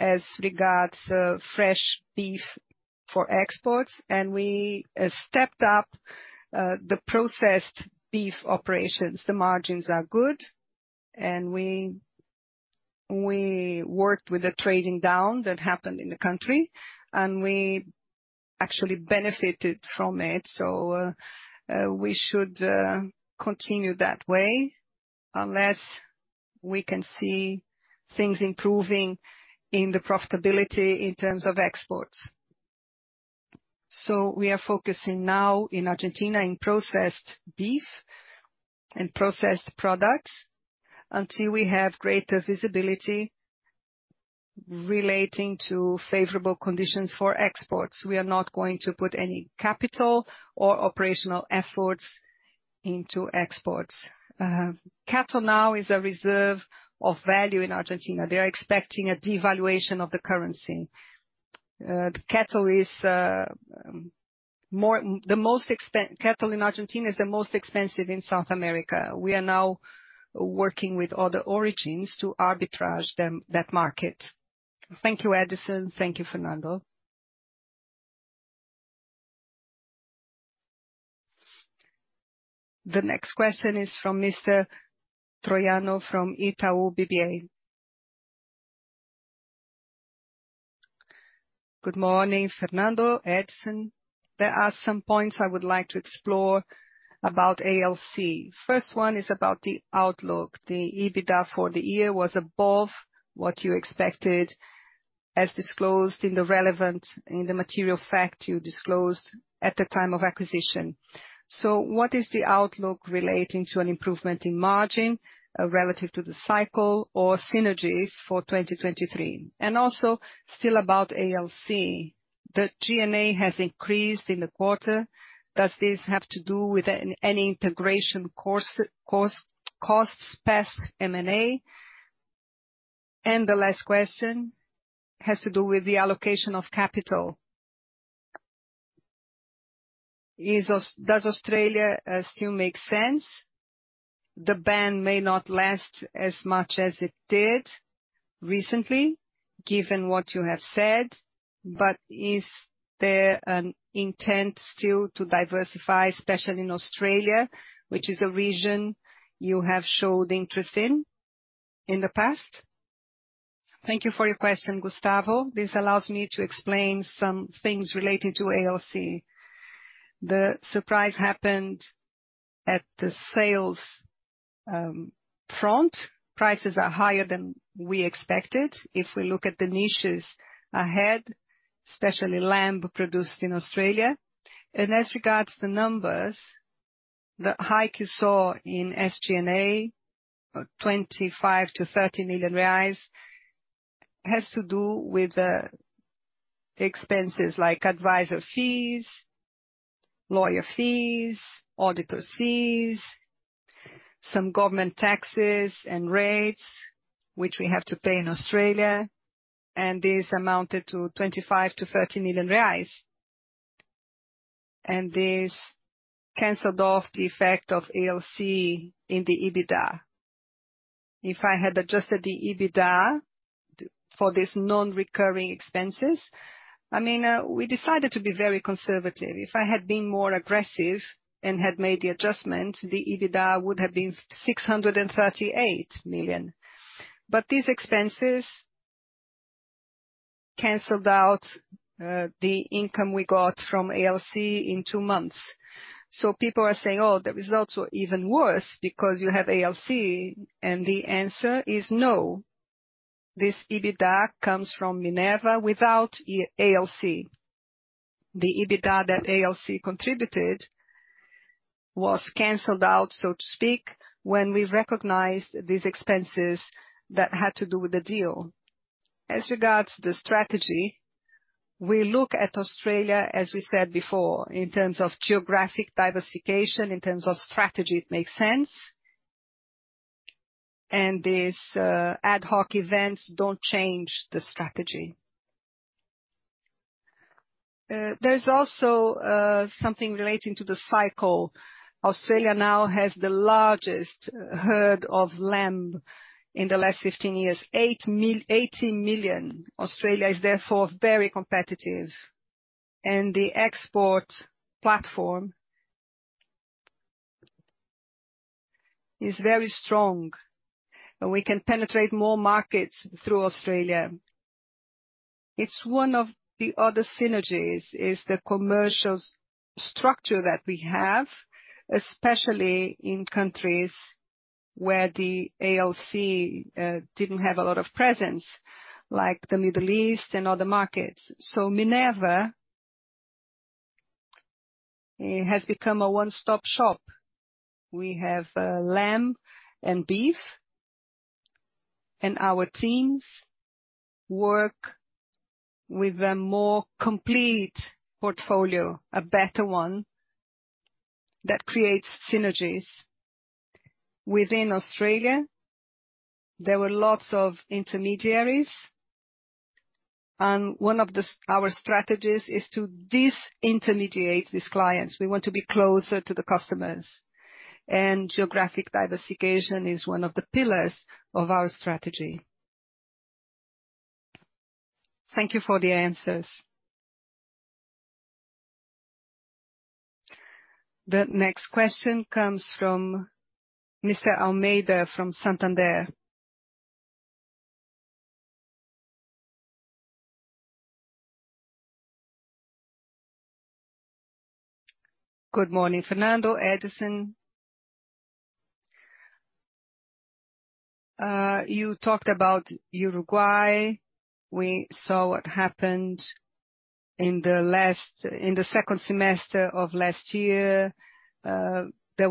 as regards the fresh beef for exports. We stepped up the processed beef operations. The margins are good. We worked with the trading down that happened in the country, and we actually benefited from it. We should continue that way unless we can see things improving in the profitability in terms of exports. We are focusing now in Argentina in processed beef and processed products until we have greater visibility relating to favorable conditions for exports. We are not going to put any capital or operational efforts into exports. Cattle now is a reserve of value in Argentina. They are expecting a devaluation of the currency. The cattle in Argentina is the most expensive in South America. We are now working with other origins to arbitrage them, that market. Thank you, Edison. Thank you, Fernando. The next question is from Mr. Troyano from Itaú BBA. Good morning, Fernando, Edison. There are some points I would like to explore about ALC. First one is about the outlook. The EBITDA for the year was above what you expected, as disclosed in the material fact you disclosed at the time of acquisition. What is the outlook relating to an improvement in margin relative to the cycle or synergies for 2023? Also still about ALC, the GNA has increased in the quarter. Does this have to do with any integration costs, past M&A? The last question has to do with the allocation of capital. Does Australia still make sense? The ban may not last as much as it did recently, given what you have said, but is there an intent still to diversify, especially in Australia, which is a region you have showed interest in in the past? Thank you for your question, Gustavo. This allows me to explain some things relating to ALC. The surprise happened at the sales front. Prices are higher than we expected if we look at the niches ahead, especially lamb produced in Australia. As regards the numbers, the hike you saw in SG&A, 25 million-30 million reais, has to do with expenses like advisor fees, lawyer fees, auditor fees, some government taxes and rates, which we have to pay in Australia, and this amounted to 25 million-30 million reais. This canceled off the effect of ALC in the EBITDA. If I had adjusted the EBITDA for these non-recurring expenses, I mean, we decided to be very conservative. If I had been more aggressive and had made the adjustment, the EBITDA would have been 638 million. These expenses canceled out the income we got from ALC in two months. People are saying, "Oh, the results were even worse because you have ALC." The answer is no. This EBITDA comes from Minerva without ALC. The EBITDA that ALC contributed was canceled out, so to speak, when we recognized these expenses that had to do with the deal. As regards the strategy, we look at Australia, as we said before, in terms of geographic diversification, in terms of strategy, it makes sense. These, ad hoc events don't change the strategy. There's also something relating to the cycle. Australia now has the largest herd of lamb in the last 15 years, 80 million. Australia is therefore very competitive. The export platform is very strong, and we can penetrate more markets through Australia. It's one of the other synergies, is the commercial structure that we have, especially in countries where the ALC didn't have a lot of presence, like the Middle East and other markets. Minerva has become a one-stop shop. We have lamb and beef, and our teams work with a more complete portfolio, a better one that creates synergies. Within Australia, there were lots of intermediaries, and one of our strategies is to disintermediate these clients. We want to be closer to the customers. Geographic diversification is one of the pillars of our strategy. Thank you for the answers. The next question comes from Mr. Almeida from Santander. Good morning, Fernando, Edison. You talked about Uruguay. We saw what happened in the second semester of last year. There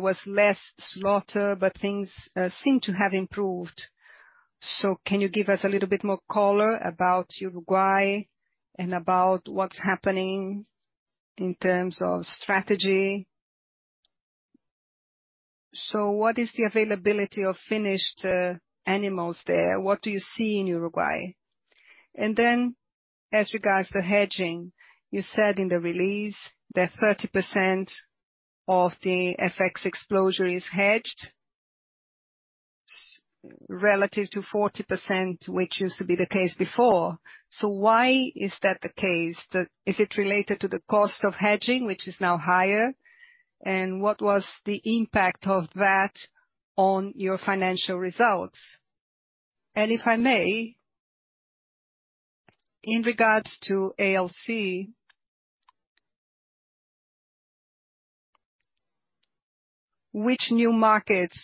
was less slaughter, but things seem to have improved. Can you give us a little bit more color about Uruguay and about what's happening in terms of strategy? What is the availability of finished animals there? What do you see in Uruguay? As regards to hedging, you said in the release that 30% of the FX exposure is hedged relative to 40%, which used to be the case before. Why is that the case? Is it related to the cost of hedging, which is now higher? What was the impact of that on your financial results? If I may, in regards to ALC, which new markets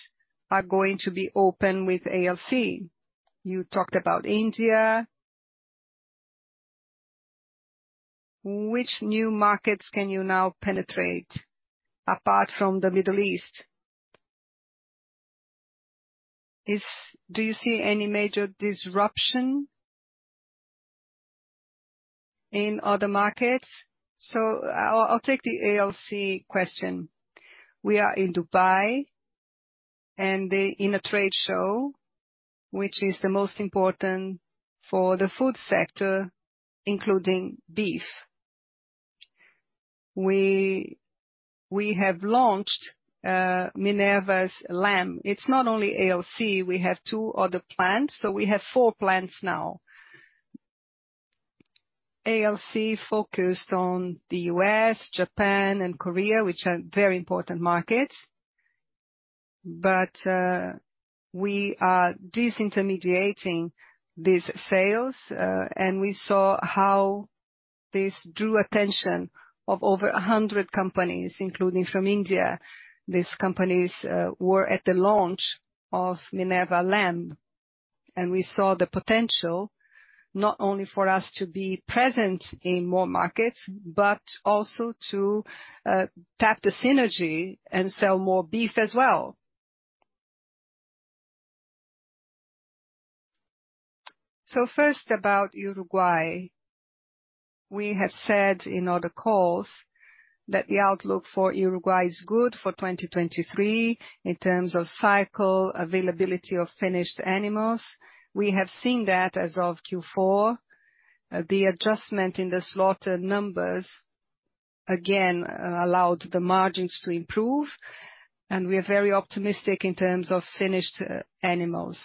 are going to be open with ALC? You talked about India. Which new markets can you now penetrate, apart from the Middle East? Do you see any major disruption in other markets? I'll take the ALC question. We are in Dubai and in a trade show, which is the most important for the food sector, including beef. We have launched Minerva's lamb. It's not only ALC, we have two other plants, so we have four plants now. ALC focused on the U.S., Japan and Korea, which are very important markets. We are disintermediating these sales. We saw how this drew attention of over 100 companies, including from India. These companies were at the launch of Minerva lamb. We saw the potential not only for us to be present in more markets, but also to tap the synergy and sell more beef as well. First, about Uruguay. We have said in other calls that the outlook for Uruguay is good for 2023 in terms of cycle, availability of finished animals. We have seen that as of Q4. The adjustment in the slaughter numbers, again, allowed the margins to improve. We are very optimistic in terms of finished animals.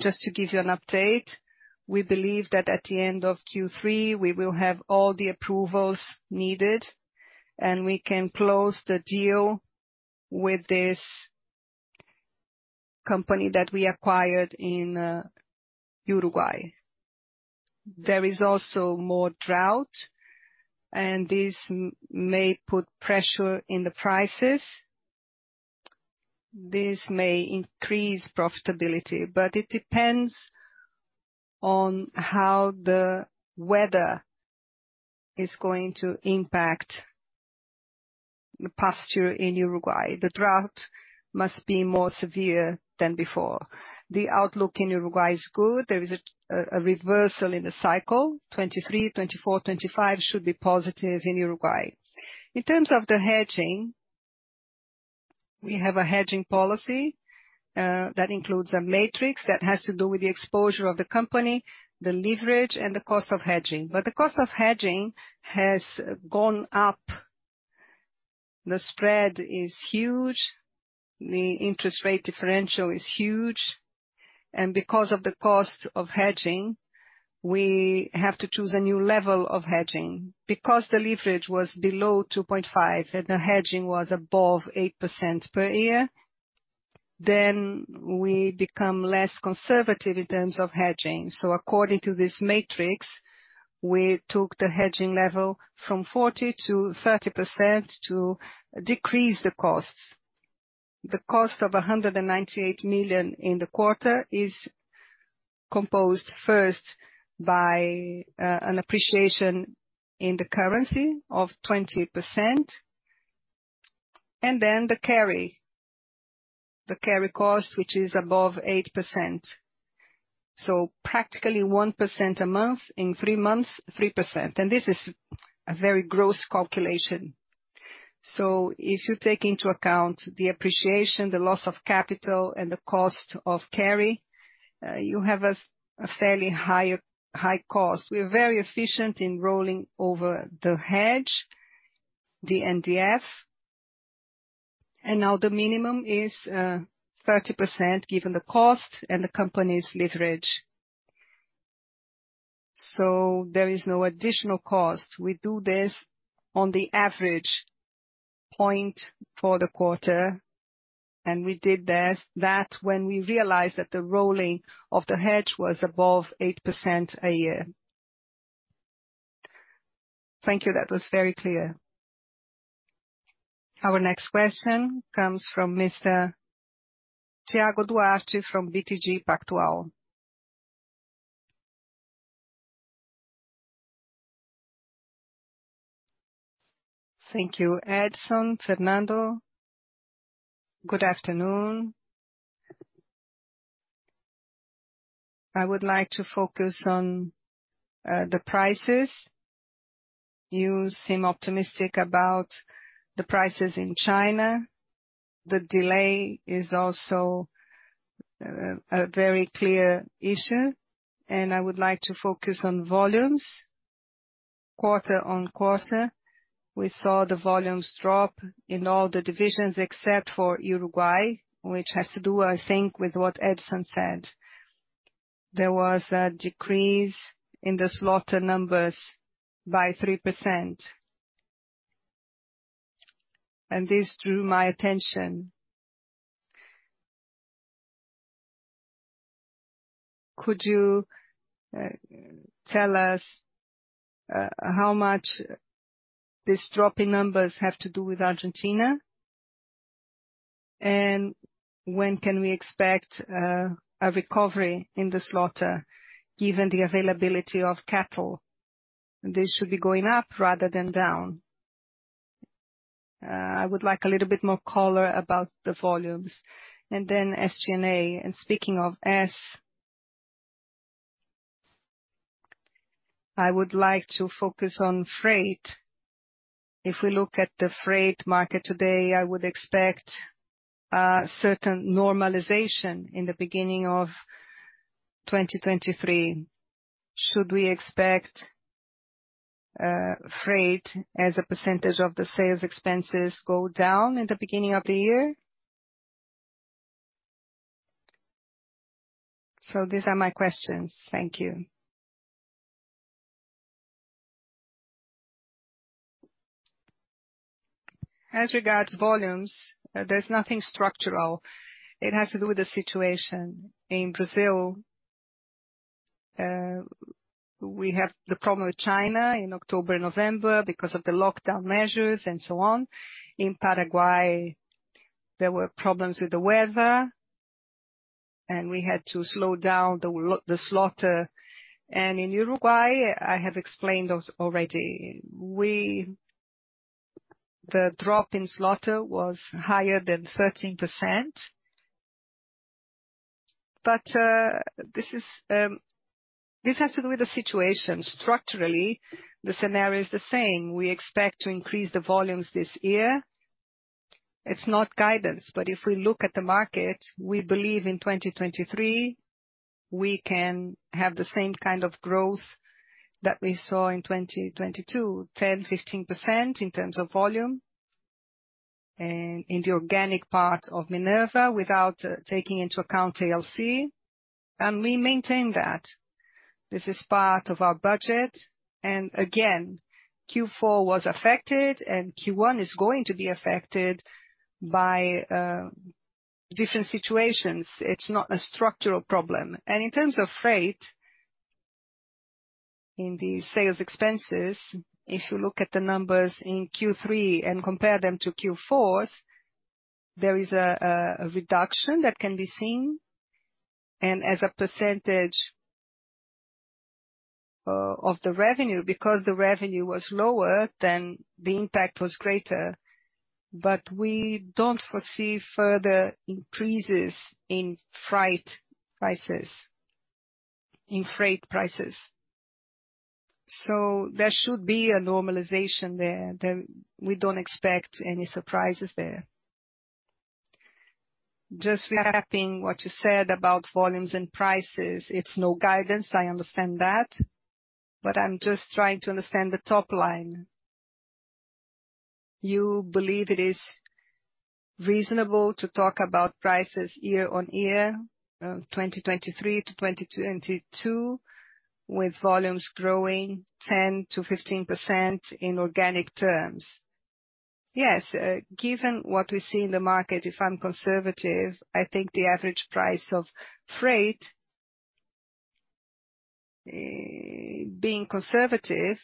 Just to give you an update, we believe that at the end of Q3, we will have all the approvals needed. We can close the deal with this company that we acquired in Uruguay. There is also more drought, and this may put pressure in the prices. This may increase profitability, but it depends on how the weather is going to impact the pasture in Uruguay. The drought must be more severe than before. The outlook in Uruguay is good. There is a reversal in the cycle. 23, 24, 25 should be positive in Uruguay. In terms of the hedging, we have a hedging policy that includes a matrix that has to do with the exposure of the company, the leverage and the cost of hedging. The cost of hedging has gone up. The spread is huge. The interest rate differential is huge, and because of the cost of hedging, we have to choose a new level of hedging. Because the leverage was below 2.5 and the hedging was above 8% per year, then we become less conservative in terms of hedging. According to this matrix, we took the hedging level from 40% to 30% to decrease the costs. The cost of 198 million in the quarter is composed first by an appreciation in the currency of 20% and then the carry cost, which is above 8%. Practically 1% a month, in three months, 3%. This is a very gross calculation. If you take into account the appreciation, the loss of capital and the cost of carry, you have a fairly high cost. We are very efficient in rolling over the hedge, the NDF, and now the minimum is 30%, given the cost and the company's leverage. There is no additional cost. We do this on the average point for the quarter, when we realized that the rolling of the hedge was above 8% a year. Thank you. That was very clear. Our next question comes from Mr. Tiago Duarte from BTG Pactual. Thank you, Edison, Fernando. Good afternoon. I would like to focus on the prices. You seem optimistic about the prices in China. The delay is also a very clear issue. I would like to focus on volumes. Quarter-on-quarter, we saw the volumes drop in all the divisions except for Uruguay, which has to do, I think, with what Edison said. There was a decrease in the slaughter numbers by 3%. This drew my attention. Could you tell us how much this drop in numbers have to do with Argentina? When can we expect a recovery in the slaughter given the availability of cattle? This should be going up rather than down. I would like a little bit more color about the volumes. SG&A. Speaking of S, I would like to focus on freight. If we look at the freight market today, I would expect a certain normalization in the beginning of 2023. Should we expect freight as a % of the sales expenses go down in the beginning of the year? These are my questions. Thank you. As regards volumes, there's nothing structural. It has to do with the situation in Brazil. We have the problem with China in October, November because of the lockdown measures and so on. In Paraguay, there were problems with the weather, and we had to slow down the slaughter. In Uruguay, I have explained those already. The drop in slaughter was higher than 13%. This is. This has to do with the situation. Structurally, the scenario is the same. We expect to increase the volumes this year. It's not guidance, but if we look at the market, we believe in 2023 we can have the same kind of growth that we saw in 2022, 10%, 15% in terms of volume, in the organic part of Minerva without taking into account ALC, and we maintain that. This is part of our budget. Again, Q4 was affected and Q1 is going to be affected by different situations. It's not a structural problem. In terms of freight, in the sales expenses, if you look at the numbers in Q3 and compare them to Q4's, there is a reduction that can be seen. As a percentage of the revenue, because the revenue was lower, the impact was greater. We don't foresee further increases in freight prices. There should be a normalization there. We don't expect any surprises there. Just wrapping what you said about volumes and prices, it's no guidance, I understand that. But I'm just trying to understand the top line. You believe it is reasonable to talk about prices year-on-year, 2023 to 2022, with volumes growing 10%-15% in organic terms? Yes. Given what we see in the market, if I'm conservative, I think the average price of freight... Being conservative,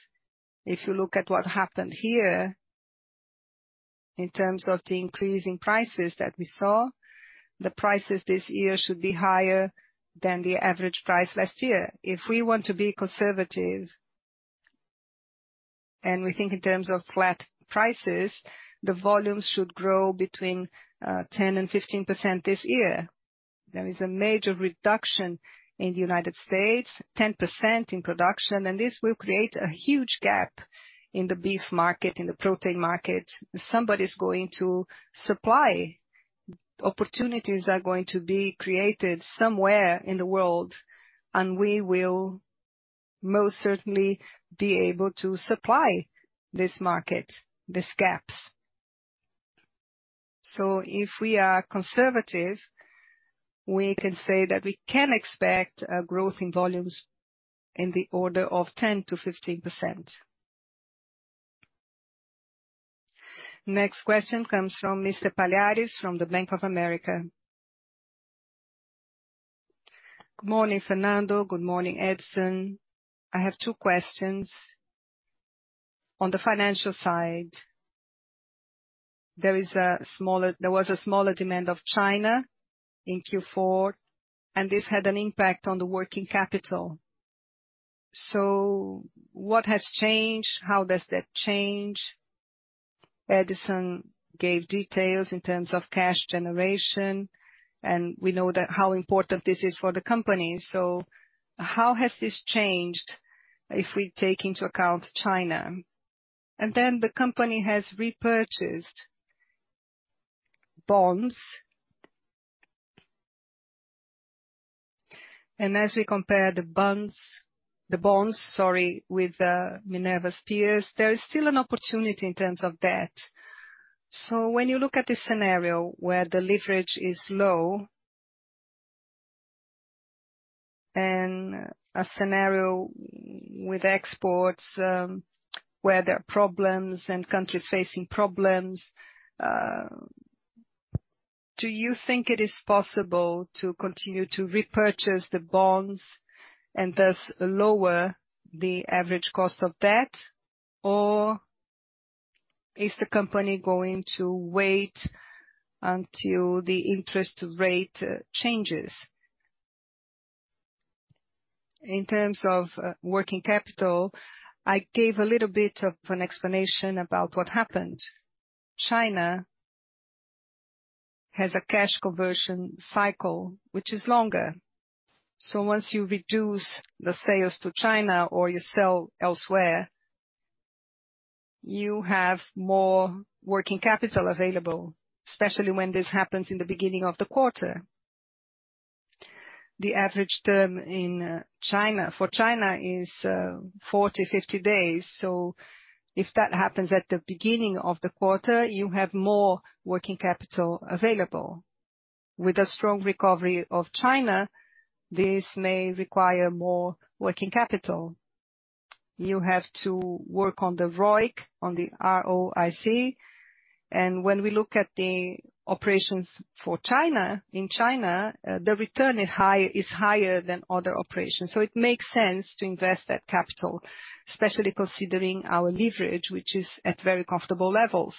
if you look at what happened here in terms of the increase in prices that we saw, the prices this year should be higher than the average price last year. If we want to be conservative, and we think in terms of flat prices, the volumes should grow between 10% and 15% this year. There is a major reduction in the United States, 10% in production, and this will create a huge gap in the beef market, in the protein market. Somebody's going to supply. Opportunities are going to be created somewhere in the world, and we will most certainly be able to supply this market, these gaps. If we are conservative, we can say that we can expect a growth in volumes in the order of 10%-15%. Next question comes from Mr. Palhares from the Bank of America. Good morning, Fernando. Good morning, Edison. I have two questions. On the financial side, there was a smaller demand of China in Q4, and this had an impact on the working capital. What has changed? How does that change? Edison gave details in terms of cash generation, and we know how important this is for the company. How has this changed, if we take into account China? The company has repurchased bonds. As we compare the bonds, sorry, with Minerva's peers, there is still an opportunity in terms of debt. When you look at the scenario where the leverage is low and a scenario with exports, where there are problems and countries facing problems, do you think it is possible to continue to repurchase the bonds and thus lower the average cost of debt, or is the company going to wait until the interest rate changes? In terms of working capital, I gave a little bit of an explanation about what happened. China has a cash conversion cycle which is longer. Once you reduce the sales to China or you sell elsewhere, you have more working capital available, especially when this happens in the beginning of the quarter. The average term for China is 40, 50 days. If that happens at the beginning of the quarter, you have more working capital available. With a strong recovery of China, this may require more working capital. You have to work on the ROIC, on the R-O-I-C. When we look at the operations in China, the return is higher than other operations. It makes sense to invest that capital, especially considering our leverage, which is at very comfortable levels.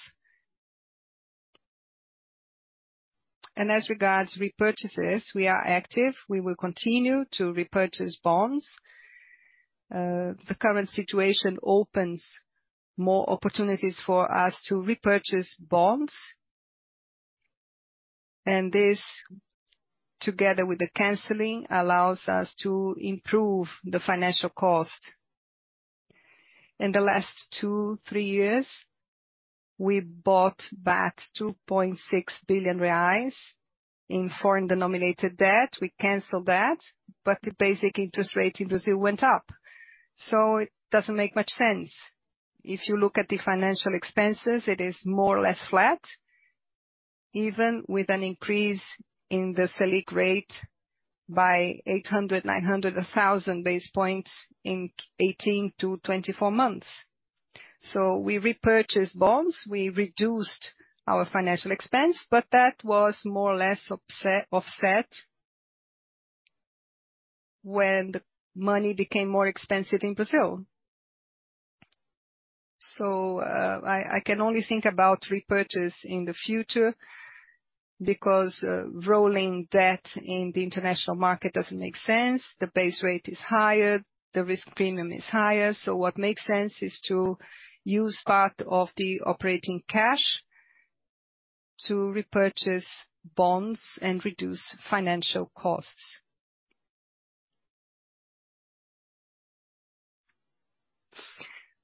As regards repurchases, we are active. We will continue to repurchase bonds. The current situation opens more opportunities for us to repurchase bonds. This, together with the canceling, allows us to improve the financial cost. In the last two, three years, we bought back 2.6 billion reais in foreign-denominated debt. We canceled that, but the basic interest rate in Brazil went up, so it doesn't make much sense. If you look at the financial expenses, it is more or less flat, even with an increase in the Selic rate by 800, 900, 1,000 base points in 18 to 24 months. We repurchased bonds, we reduced our financial expense, but that was more or less offset when the money became more expensive in Brazil. I can only think about repurchase in the future because rolling debt in the international market doesn't make sense. The base rate is higher, the risk premium is higher. What makes sense is to use part of the operating cash to repurchase bonds and reduce financial costs.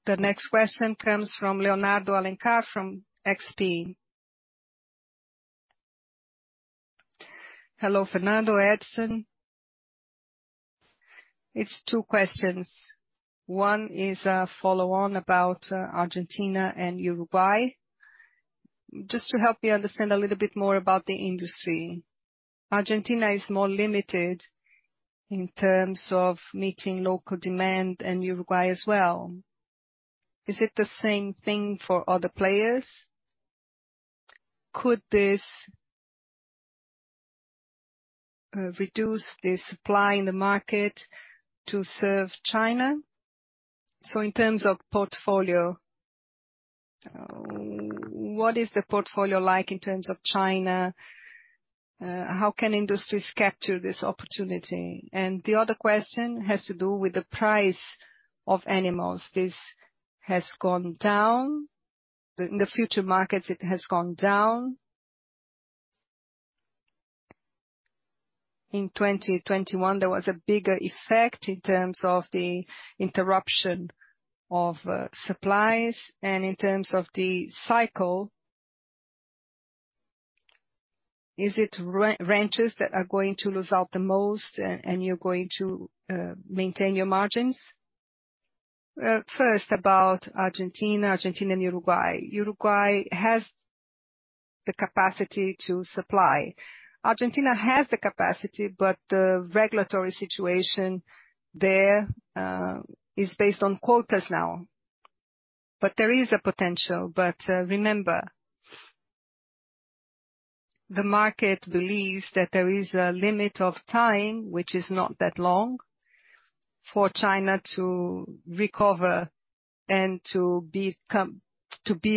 The next question comes from Leonardo Alencar from XP. Hello, Fernando Edison. It's two questions. One is a follow-on about Argentina and Uruguay. Just to help me understand a little bit more about the industry, Argentina is more limited in terms of meeting local demand and Uruguay as well. Is it the same thing for other players? Could this reduce the supply in the market to serve China? In terms of portfolio, what is the portfolio like in terms of China? How can industries capture this opportunity? The other question has to do with the price of animals. This has gone down. In the future markets, it has gone down. In 2021, there was a bigger effect in terms of the interruption of supplies. In terms of the cycle, is it ranchers that are going to lose out the most and you're going to maintain your margins? First, about Argentina. Argentina and Uruguay. Uruguay has the capacity to supply. Argentina has the capacity, but the regulatory situation there is based on quotas now. There is a potential. Remember, the market believes that there is a limit of time, which is not that long, for China to recover and to be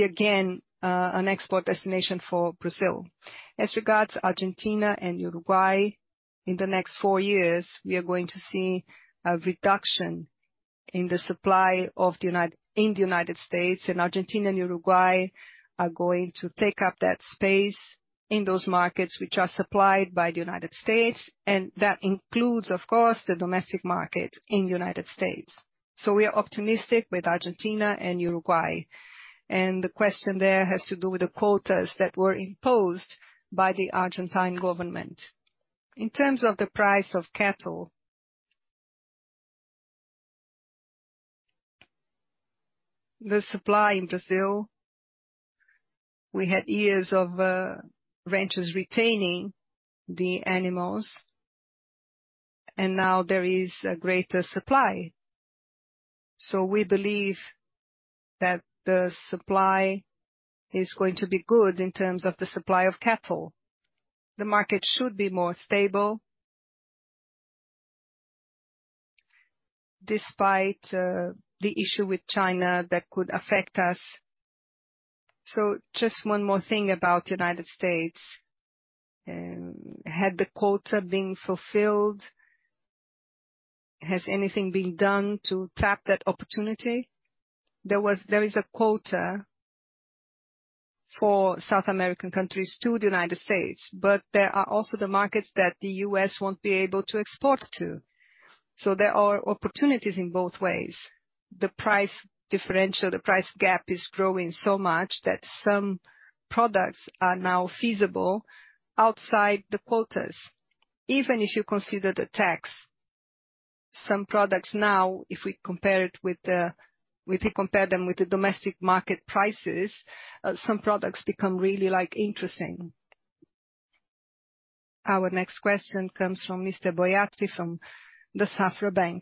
again an export destination for Brazil. As regards Argentina and Uruguay, in the next four years, we are going to see a reduction in the supply in the United States, and Argentina and Uruguay are going to take up that space in those markets which are supplied by the United States, and that includes, of course, the domestic market in the United States. We are optimistic with Argentina and Uruguay. The question there has to do with the quotas that were imposed by the Argentine government. In terms of the price of cattle, the supply in Brazil, we had years of ranchers retaining the animals and now there is a greater supply. We believe that the supply is going to be good in terms of the supply of cattle. The market should be more stable despite the issue with China that could affect us. Just one more thing about United States. Had the quota been fulfilled? Has anything been done to tap that opportunity? There is a quota for South American countries to the U.S., but there are also the markets that the U.S. won't be able to export to. There are opportunities in both ways. The price differential, the price gap is growing so much that some products are now feasible outside the quotas, even if you consider the tax. Some products now, if you compare them with the domestic market prices, some products become really, like, interesting. Our next question comes from Mr. Boiati from Banco Safra.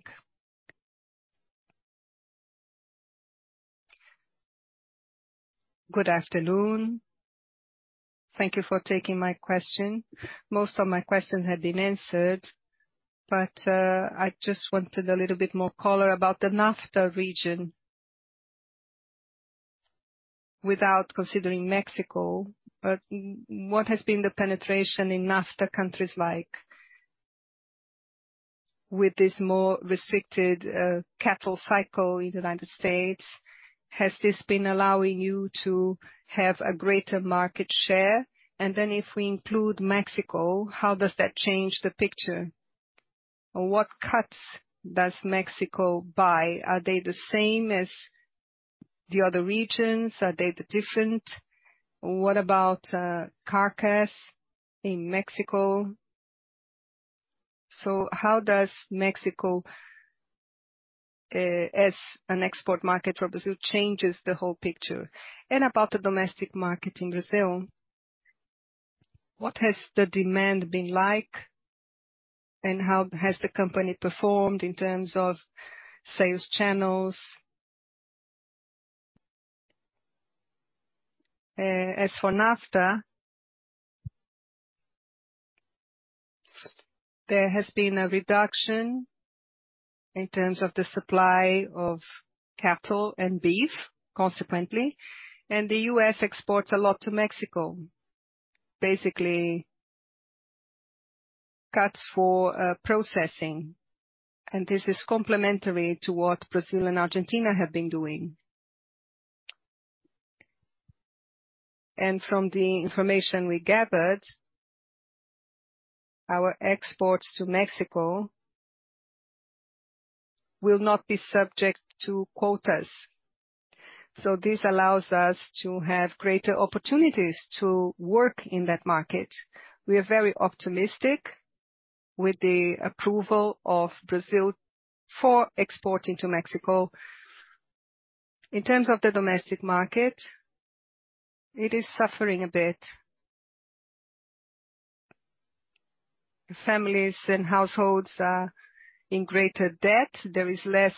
Good afternoon. Thank you for taking my question. Most of my questions have been answered, I just wanted a little bit more color about the NAFTA region without considering Mexico. What has been the penetration in NAFTA countries like? With this more restricted cattle cycle in the United States, has this been allowing you to have a greater market share? If we include Mexico, how does that change the picture? What cuts does Mexico buy? Are they the same as the other regions? Are they different? What about carcass in Mexico? How does Mexico, as an export market for Brazil, changes the whole picture? About the domestic market in Brazil, what has the demand been like, and how has the company performed in terms of sales channels? As for NAFTA, there has been a reduction in terms of the supply of cattle and beef, consequently, the U.S. exports a lot to Mexico, basically cuts for processing. This is complementary to what Brazil and Argentina have been doing. From the information we gathered, our exports to Mexico will not be subject to quotas. This allows us to have greater opportunities to work in that market. We are very optimistic with the approval of Brazil for exporting to Mexico. In terms of the domestic market, it is suffering a bit. Families and households are in greater debt. There is less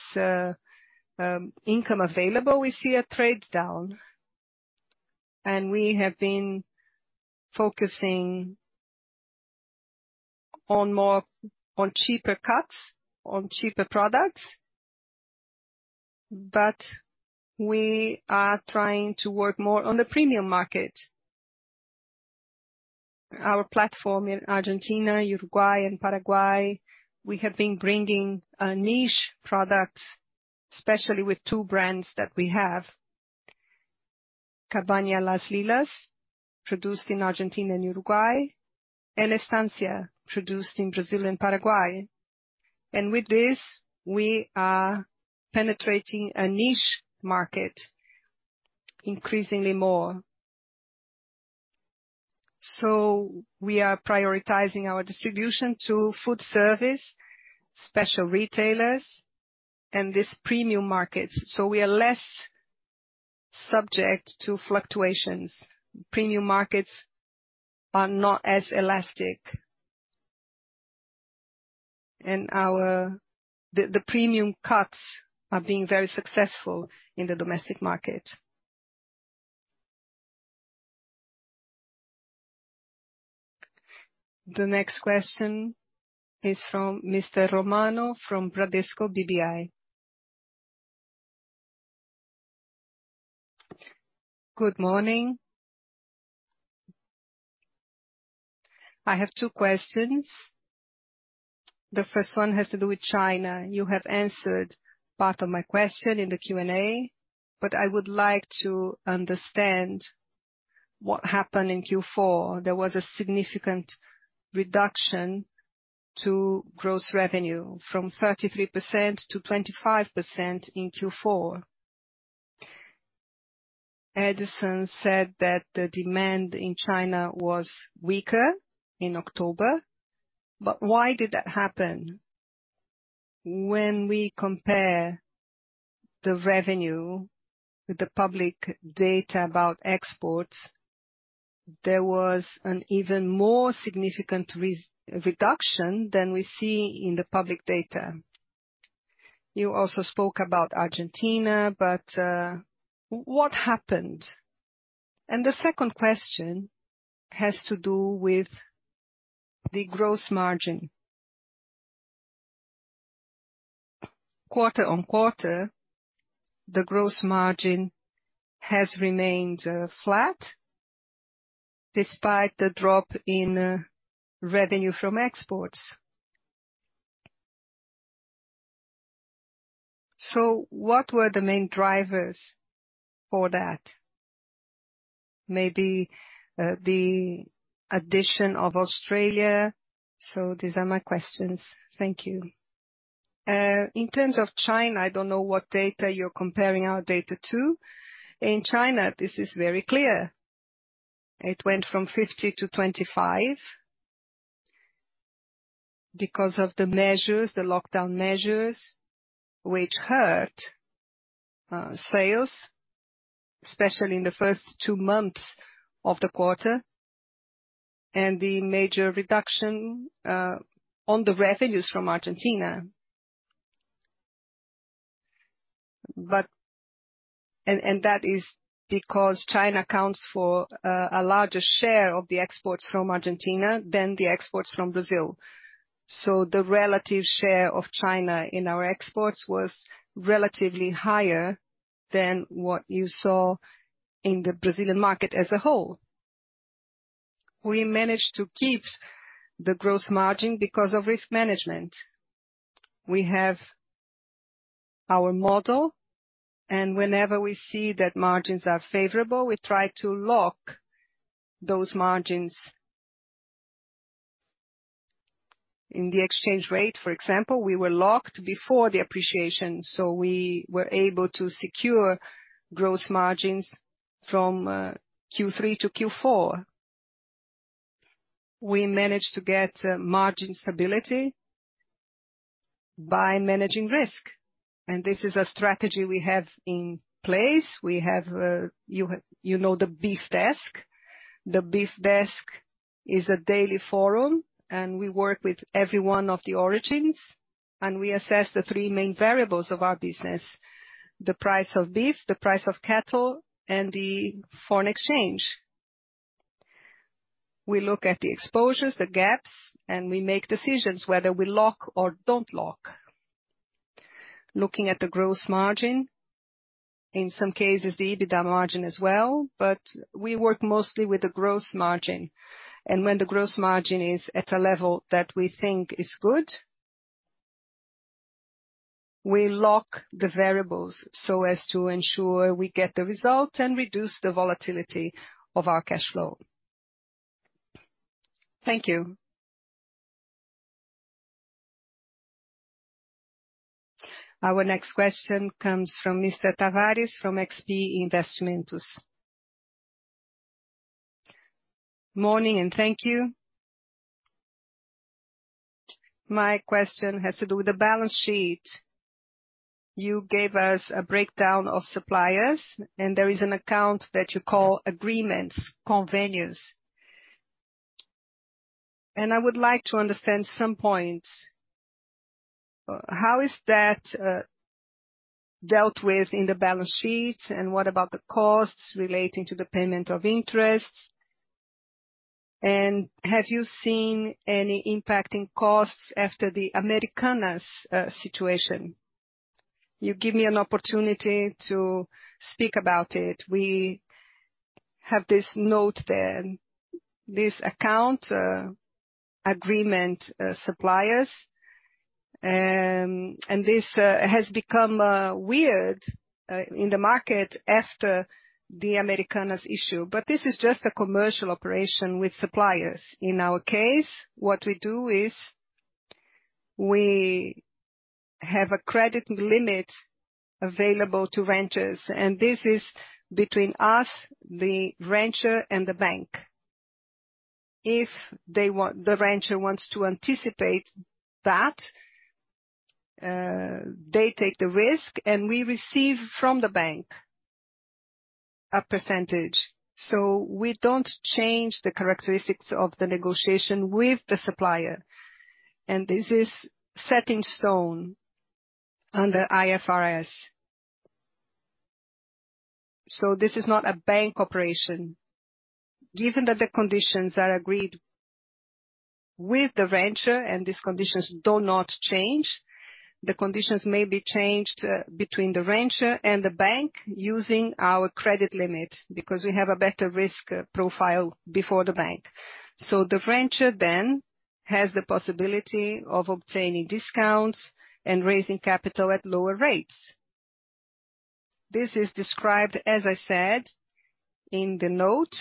income available. We see a trade down, and we have been focusing on cheaper cuts, on cheaper products, but we are trying to work more on the premium market. Our platform in Argentina, Uruguay and Paraguay, we have been bringing niche products, especially with two brands that we have, Cabaña Las Lilas, produced in Argentina and Uruguay, El Estancia, produced in Brazil and Paraguay. With this, we are penetrating a niche market increasingly more. We are prioritizing our distribution to food service, special retailers and these premium markets, so we are less subject to fluctuations. Premium markets are not as elastic. The premium cuts are being very successful in the domestic market. The next question is from Mr. Romano from Bradesco BBI. Good morning. I have two questions. The first one has to do with China. You have answered part of my question in the Q&A, but I would like to understand what happened in Q4. There was a significant reduction to gross revenue from 33% to 25% in Q4. Edison said that the demand in China was weaker in October. Why did that happen? When we compare the revenue with the public data about exports, there was an even more significant reduction than we see in the public data. You also spoke about Argentina, but what happened? The second question has to do with the gross margin. Quarter-on-quarter, the gross margin has remained flat despite the drop in revenue from exports. What were the main drivers for that? Maybe the addition of Australia. These are my questions. Thank you. In terms of China, I don't know what data you're comparing our data to. In China, this is very clear. It went from 50 to 25 because of the measures, the lockdown measures, which hurt sales, especially in the first two months of the quarter, and the major reduction on the revenues from Argentina. That is because China accounts for a larger share of the exports from Argentina than the exports from Brazil. The relative share of China in our exports was relatively higher than what you saw in the Brazilian market as a whole. We managed to keep the gross margin because of risk management. We have our model, and whenever we see that margins are favorable, we try to lock those margins. In the exchange rate, for example, we were locked before the appreciation, so we were able to secure gross margins from Q3 to Q4. We managed to get margin stability by managing risk. This is a strategy we have in place. We have, you know the Beef Desk. The Beef Desk is a daily forum, and we work with every one of the origins, and we assess the three main variables of our business, the price of beef, the price of cattle, and the foreign exchange. We look at the exposures, the gaps, and we make decisions whether we lock or don't lock. Looking at the gross margin, in some cases, the EBITDA margin as well, but we work mostly with the gross margin. When the gross margin is at a level that we think is good, we lock the variables so as to ensure we get the result and reduce the volatility of our cash flow. Thank you. Our next question comes from Mr. Tavares from XP Investimentos. Morning, thank you. My question has to do with the balance sheet. You gave us a breakdown of suppliers, there is an account that you call agreements, Convênios. I would like to understand some points. How is that dealt with in the balance sheet, and what about the costs relating to the payment of interest? Have you seen any impact in costs after the Americanas situation? You give me an opportunity to speak about it. We have this note there, this account, agreement, suppliers. This has become weird in the market after the Americanas issue. This is just a commercial operation with suppliers. In our case, what we do is we have a credit limit available to ranchers. This is between us, the rancher and the bank. The rancher wants to anticipate that, they take the risk, we receive from the bank a percentage. We don't change the characteristics of the negotiation with the supplier. This is set in stone under IFRS. This is not a bank operation. Given that the conditions are agreed with the rancher and these conditions do not change, the conditions may be changed between the rancher and the bank using our credit limit, because we have a better risk profile before the bank. The rancher then has the possibility of obtaining discounts and raising capital at lower rates. This is described, as I said, in the note,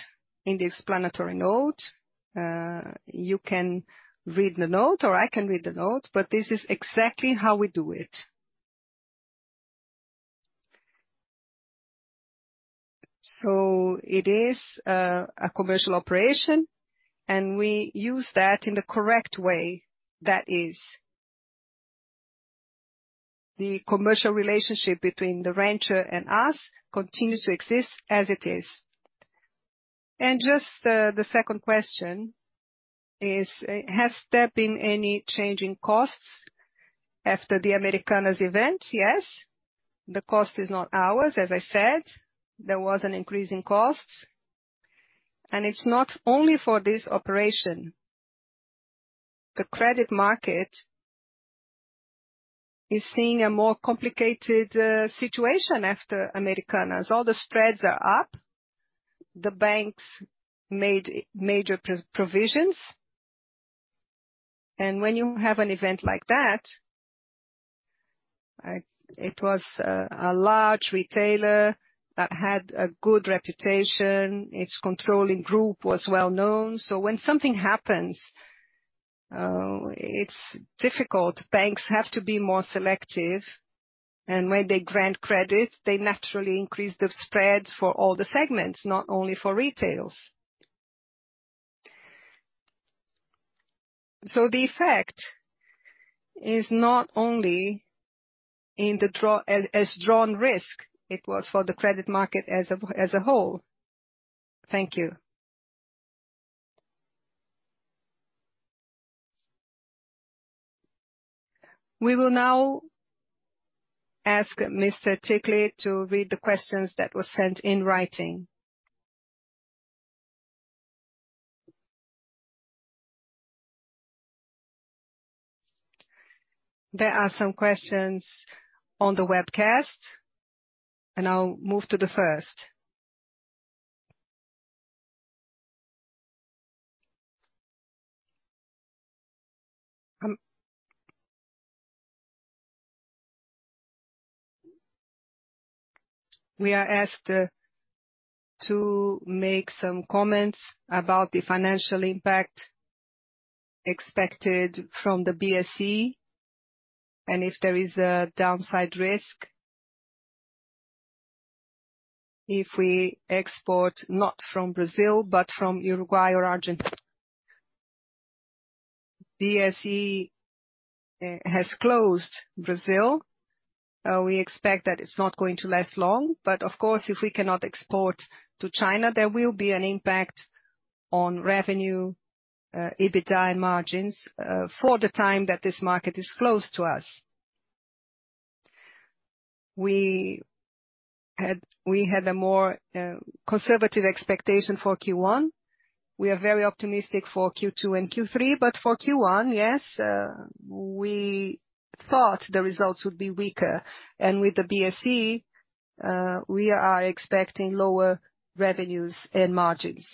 in the explanatory note. You can read the note, or I can read the note, but this is exactly how we do it. It is a commercial operation, and we use that in the correct way. That is the commercial relationship between the rancher and us continues to exist as it is. Just, the second question is, has there been any change in costs after the Americanas event? Yes. The cost is not ours, as I said. There was an increase in costs. It's not only for this operation. The credit market is seeing a more complicated situation after Americanas. All the spreads are up. The banks made major provisions. When you have an event like that, it was a large retailer that had a good reputation. Its controlling group was well-known. When something happens, it's difficult. Banks have to be more selective. When they grant credit, they naturally increase the spreads for all the segments, not only for retail. The effect is not only in the drawn risk. It was for the credit market as a whole. Thank you. We will now ask Mr. Ticle to read the questions that were sent in writing. There are some questions on the webcast, and I'll move to the first. We are asked to make some comments about the financial impact expected from the BSE and if there is a downside risk if we export, not from Brazil, but from Uruguay or Argentina. BSE has closed Brazil. We expect that it's not going to last long, but of course, if we cannot export to China, there will be an impact on revenue, EBITDA and margins for the time that this market is closed to us. We had a more conservative expectation for Q1. We are very optimistic for Q2 and Q3, but for Q1, yes, we thought the results would be weaker. With the BSE, we are expecting lower revenues and margins.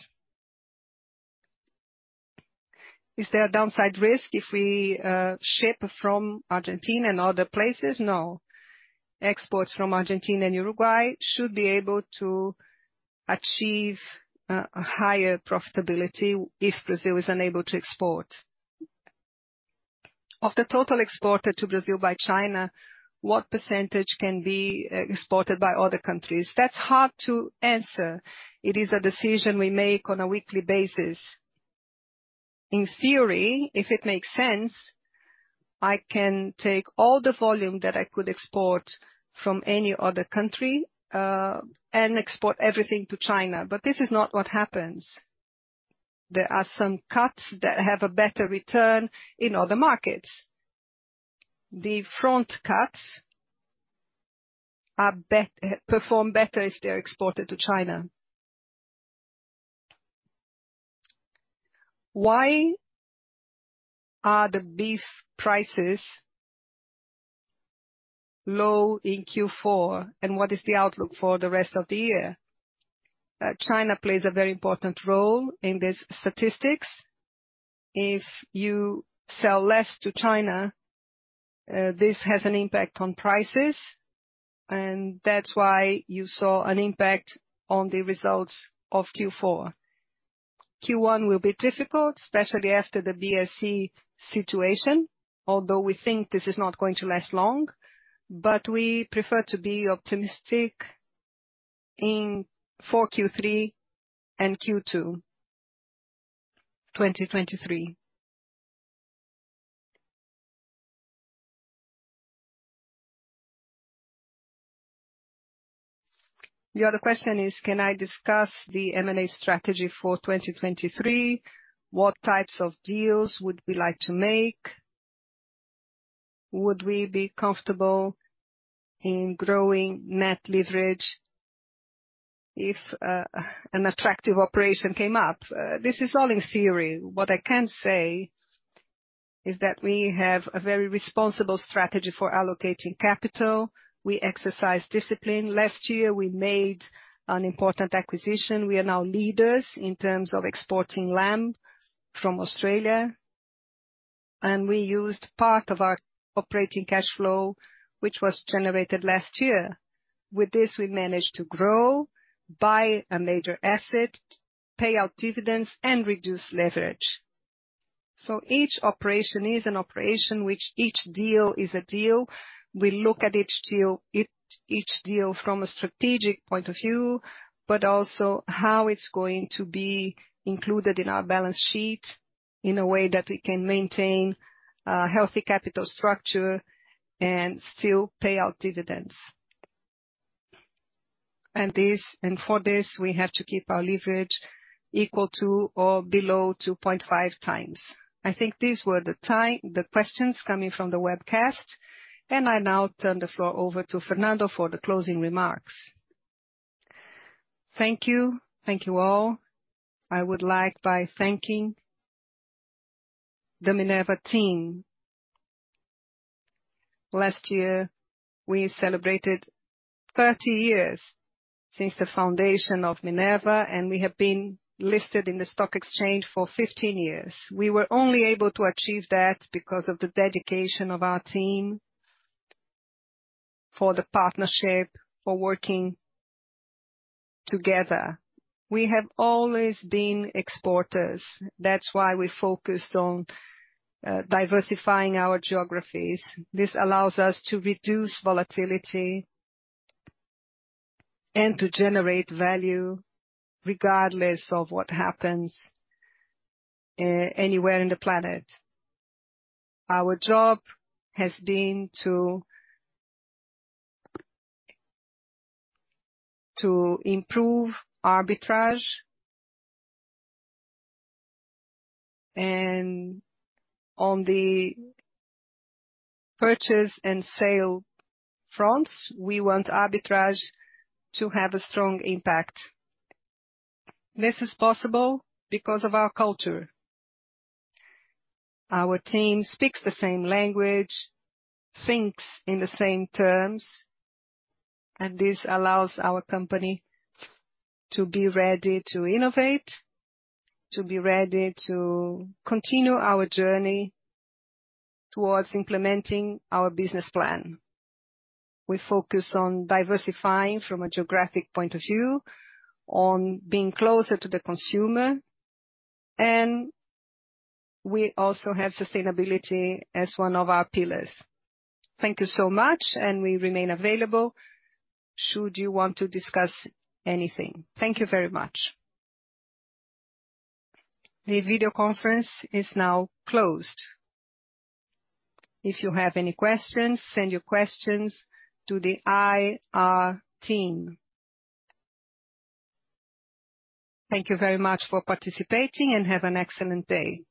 Is there a downside risk if we ship from Argentina and other places? No. Exports from Argentina and Uruguay should be able to achieve a higher profitability if Brazil is unable to export. Of the total exported to Brazil by China, what percentage can be exported by other countries? That's hard to answer. It is a decision we make on a weekly basis. In theory, if it makes sense, I can take all the volume that I could export from any other country, and export everything to China, but this is not what happens. There are some cuts that have a better return in other markets. The front cuts perform better if they're exported to China. Why are the beef prices low in Q4, and what is the outlook for the rest of the year? China plays a very important role in these statistics. If you sell less to China, this has an impact on prices, and that's why you saw an impact on the results of Q4. Q1 will be difficult, especially after the BSE situation, although we think this is not going to last long. But we prefer to be optimistic for Q3 and Q2 2023. The other question is, can I discuss the M&A strategy for 2023? What types of deals would we like to make? Would we be comfortable in growing net leverage if an attractive operation came up? This is all in theory. What I can say is that we have a very responsible strategy for allocating capital. We exercise discipline. Last year, we made an important acquisition. We are now leaders in terms of exporting lamb from Australia, and we used part of our operating cash flow, which was generated last year. With this, we managed to grow by a major asset, pay out dividends, and reduce leverage. Each operation is an operation, which each deal is a deal. We look at each deal, each deal from a strategic point of view, but also how it's going to be included in our balance sheet in a way that we can maintain healthy capital structure and still pay out dividends. For this, we have to keep our leverage equal to or below 2.5x. I think these were the questions coming from the webcast, I now turn the floor over to Fernando for the closing remarks. Thank you. Thank you all. I would like by thanking the Minerva team. Last year, we celebrated 30 years since the foundation of Minerva, and we have been listed in the stock exchange for 15 years. We were only able to achieve that because of the dedication of our team, for the partnership, for working together. We have always been exporters. That's why we focused on diversifying our geographies. This allows us to reduce volatility and to generate value regardless of what happens anywhere in the planet. Our job has been to improve arbitrage. On the purchase and sale fronts, we want arbitrage to have a strong impact. This is possible because of our culture. Our team speaks the same language, thinks in the same terms, and this allows our company to be ready to innovate, to be ready to continue our journey towards implementing our business plan. We focus on diversifying from a geographic point of view, on being closer to the consumer, and we also have sustainability as one of our pillars. Thank you so much, and we remain available should you want to discuss anything. Thank you very much. The video conference is now closed. If you have any questions, send your questions to the IR team. Thank you very much for participating, and have an excellent day.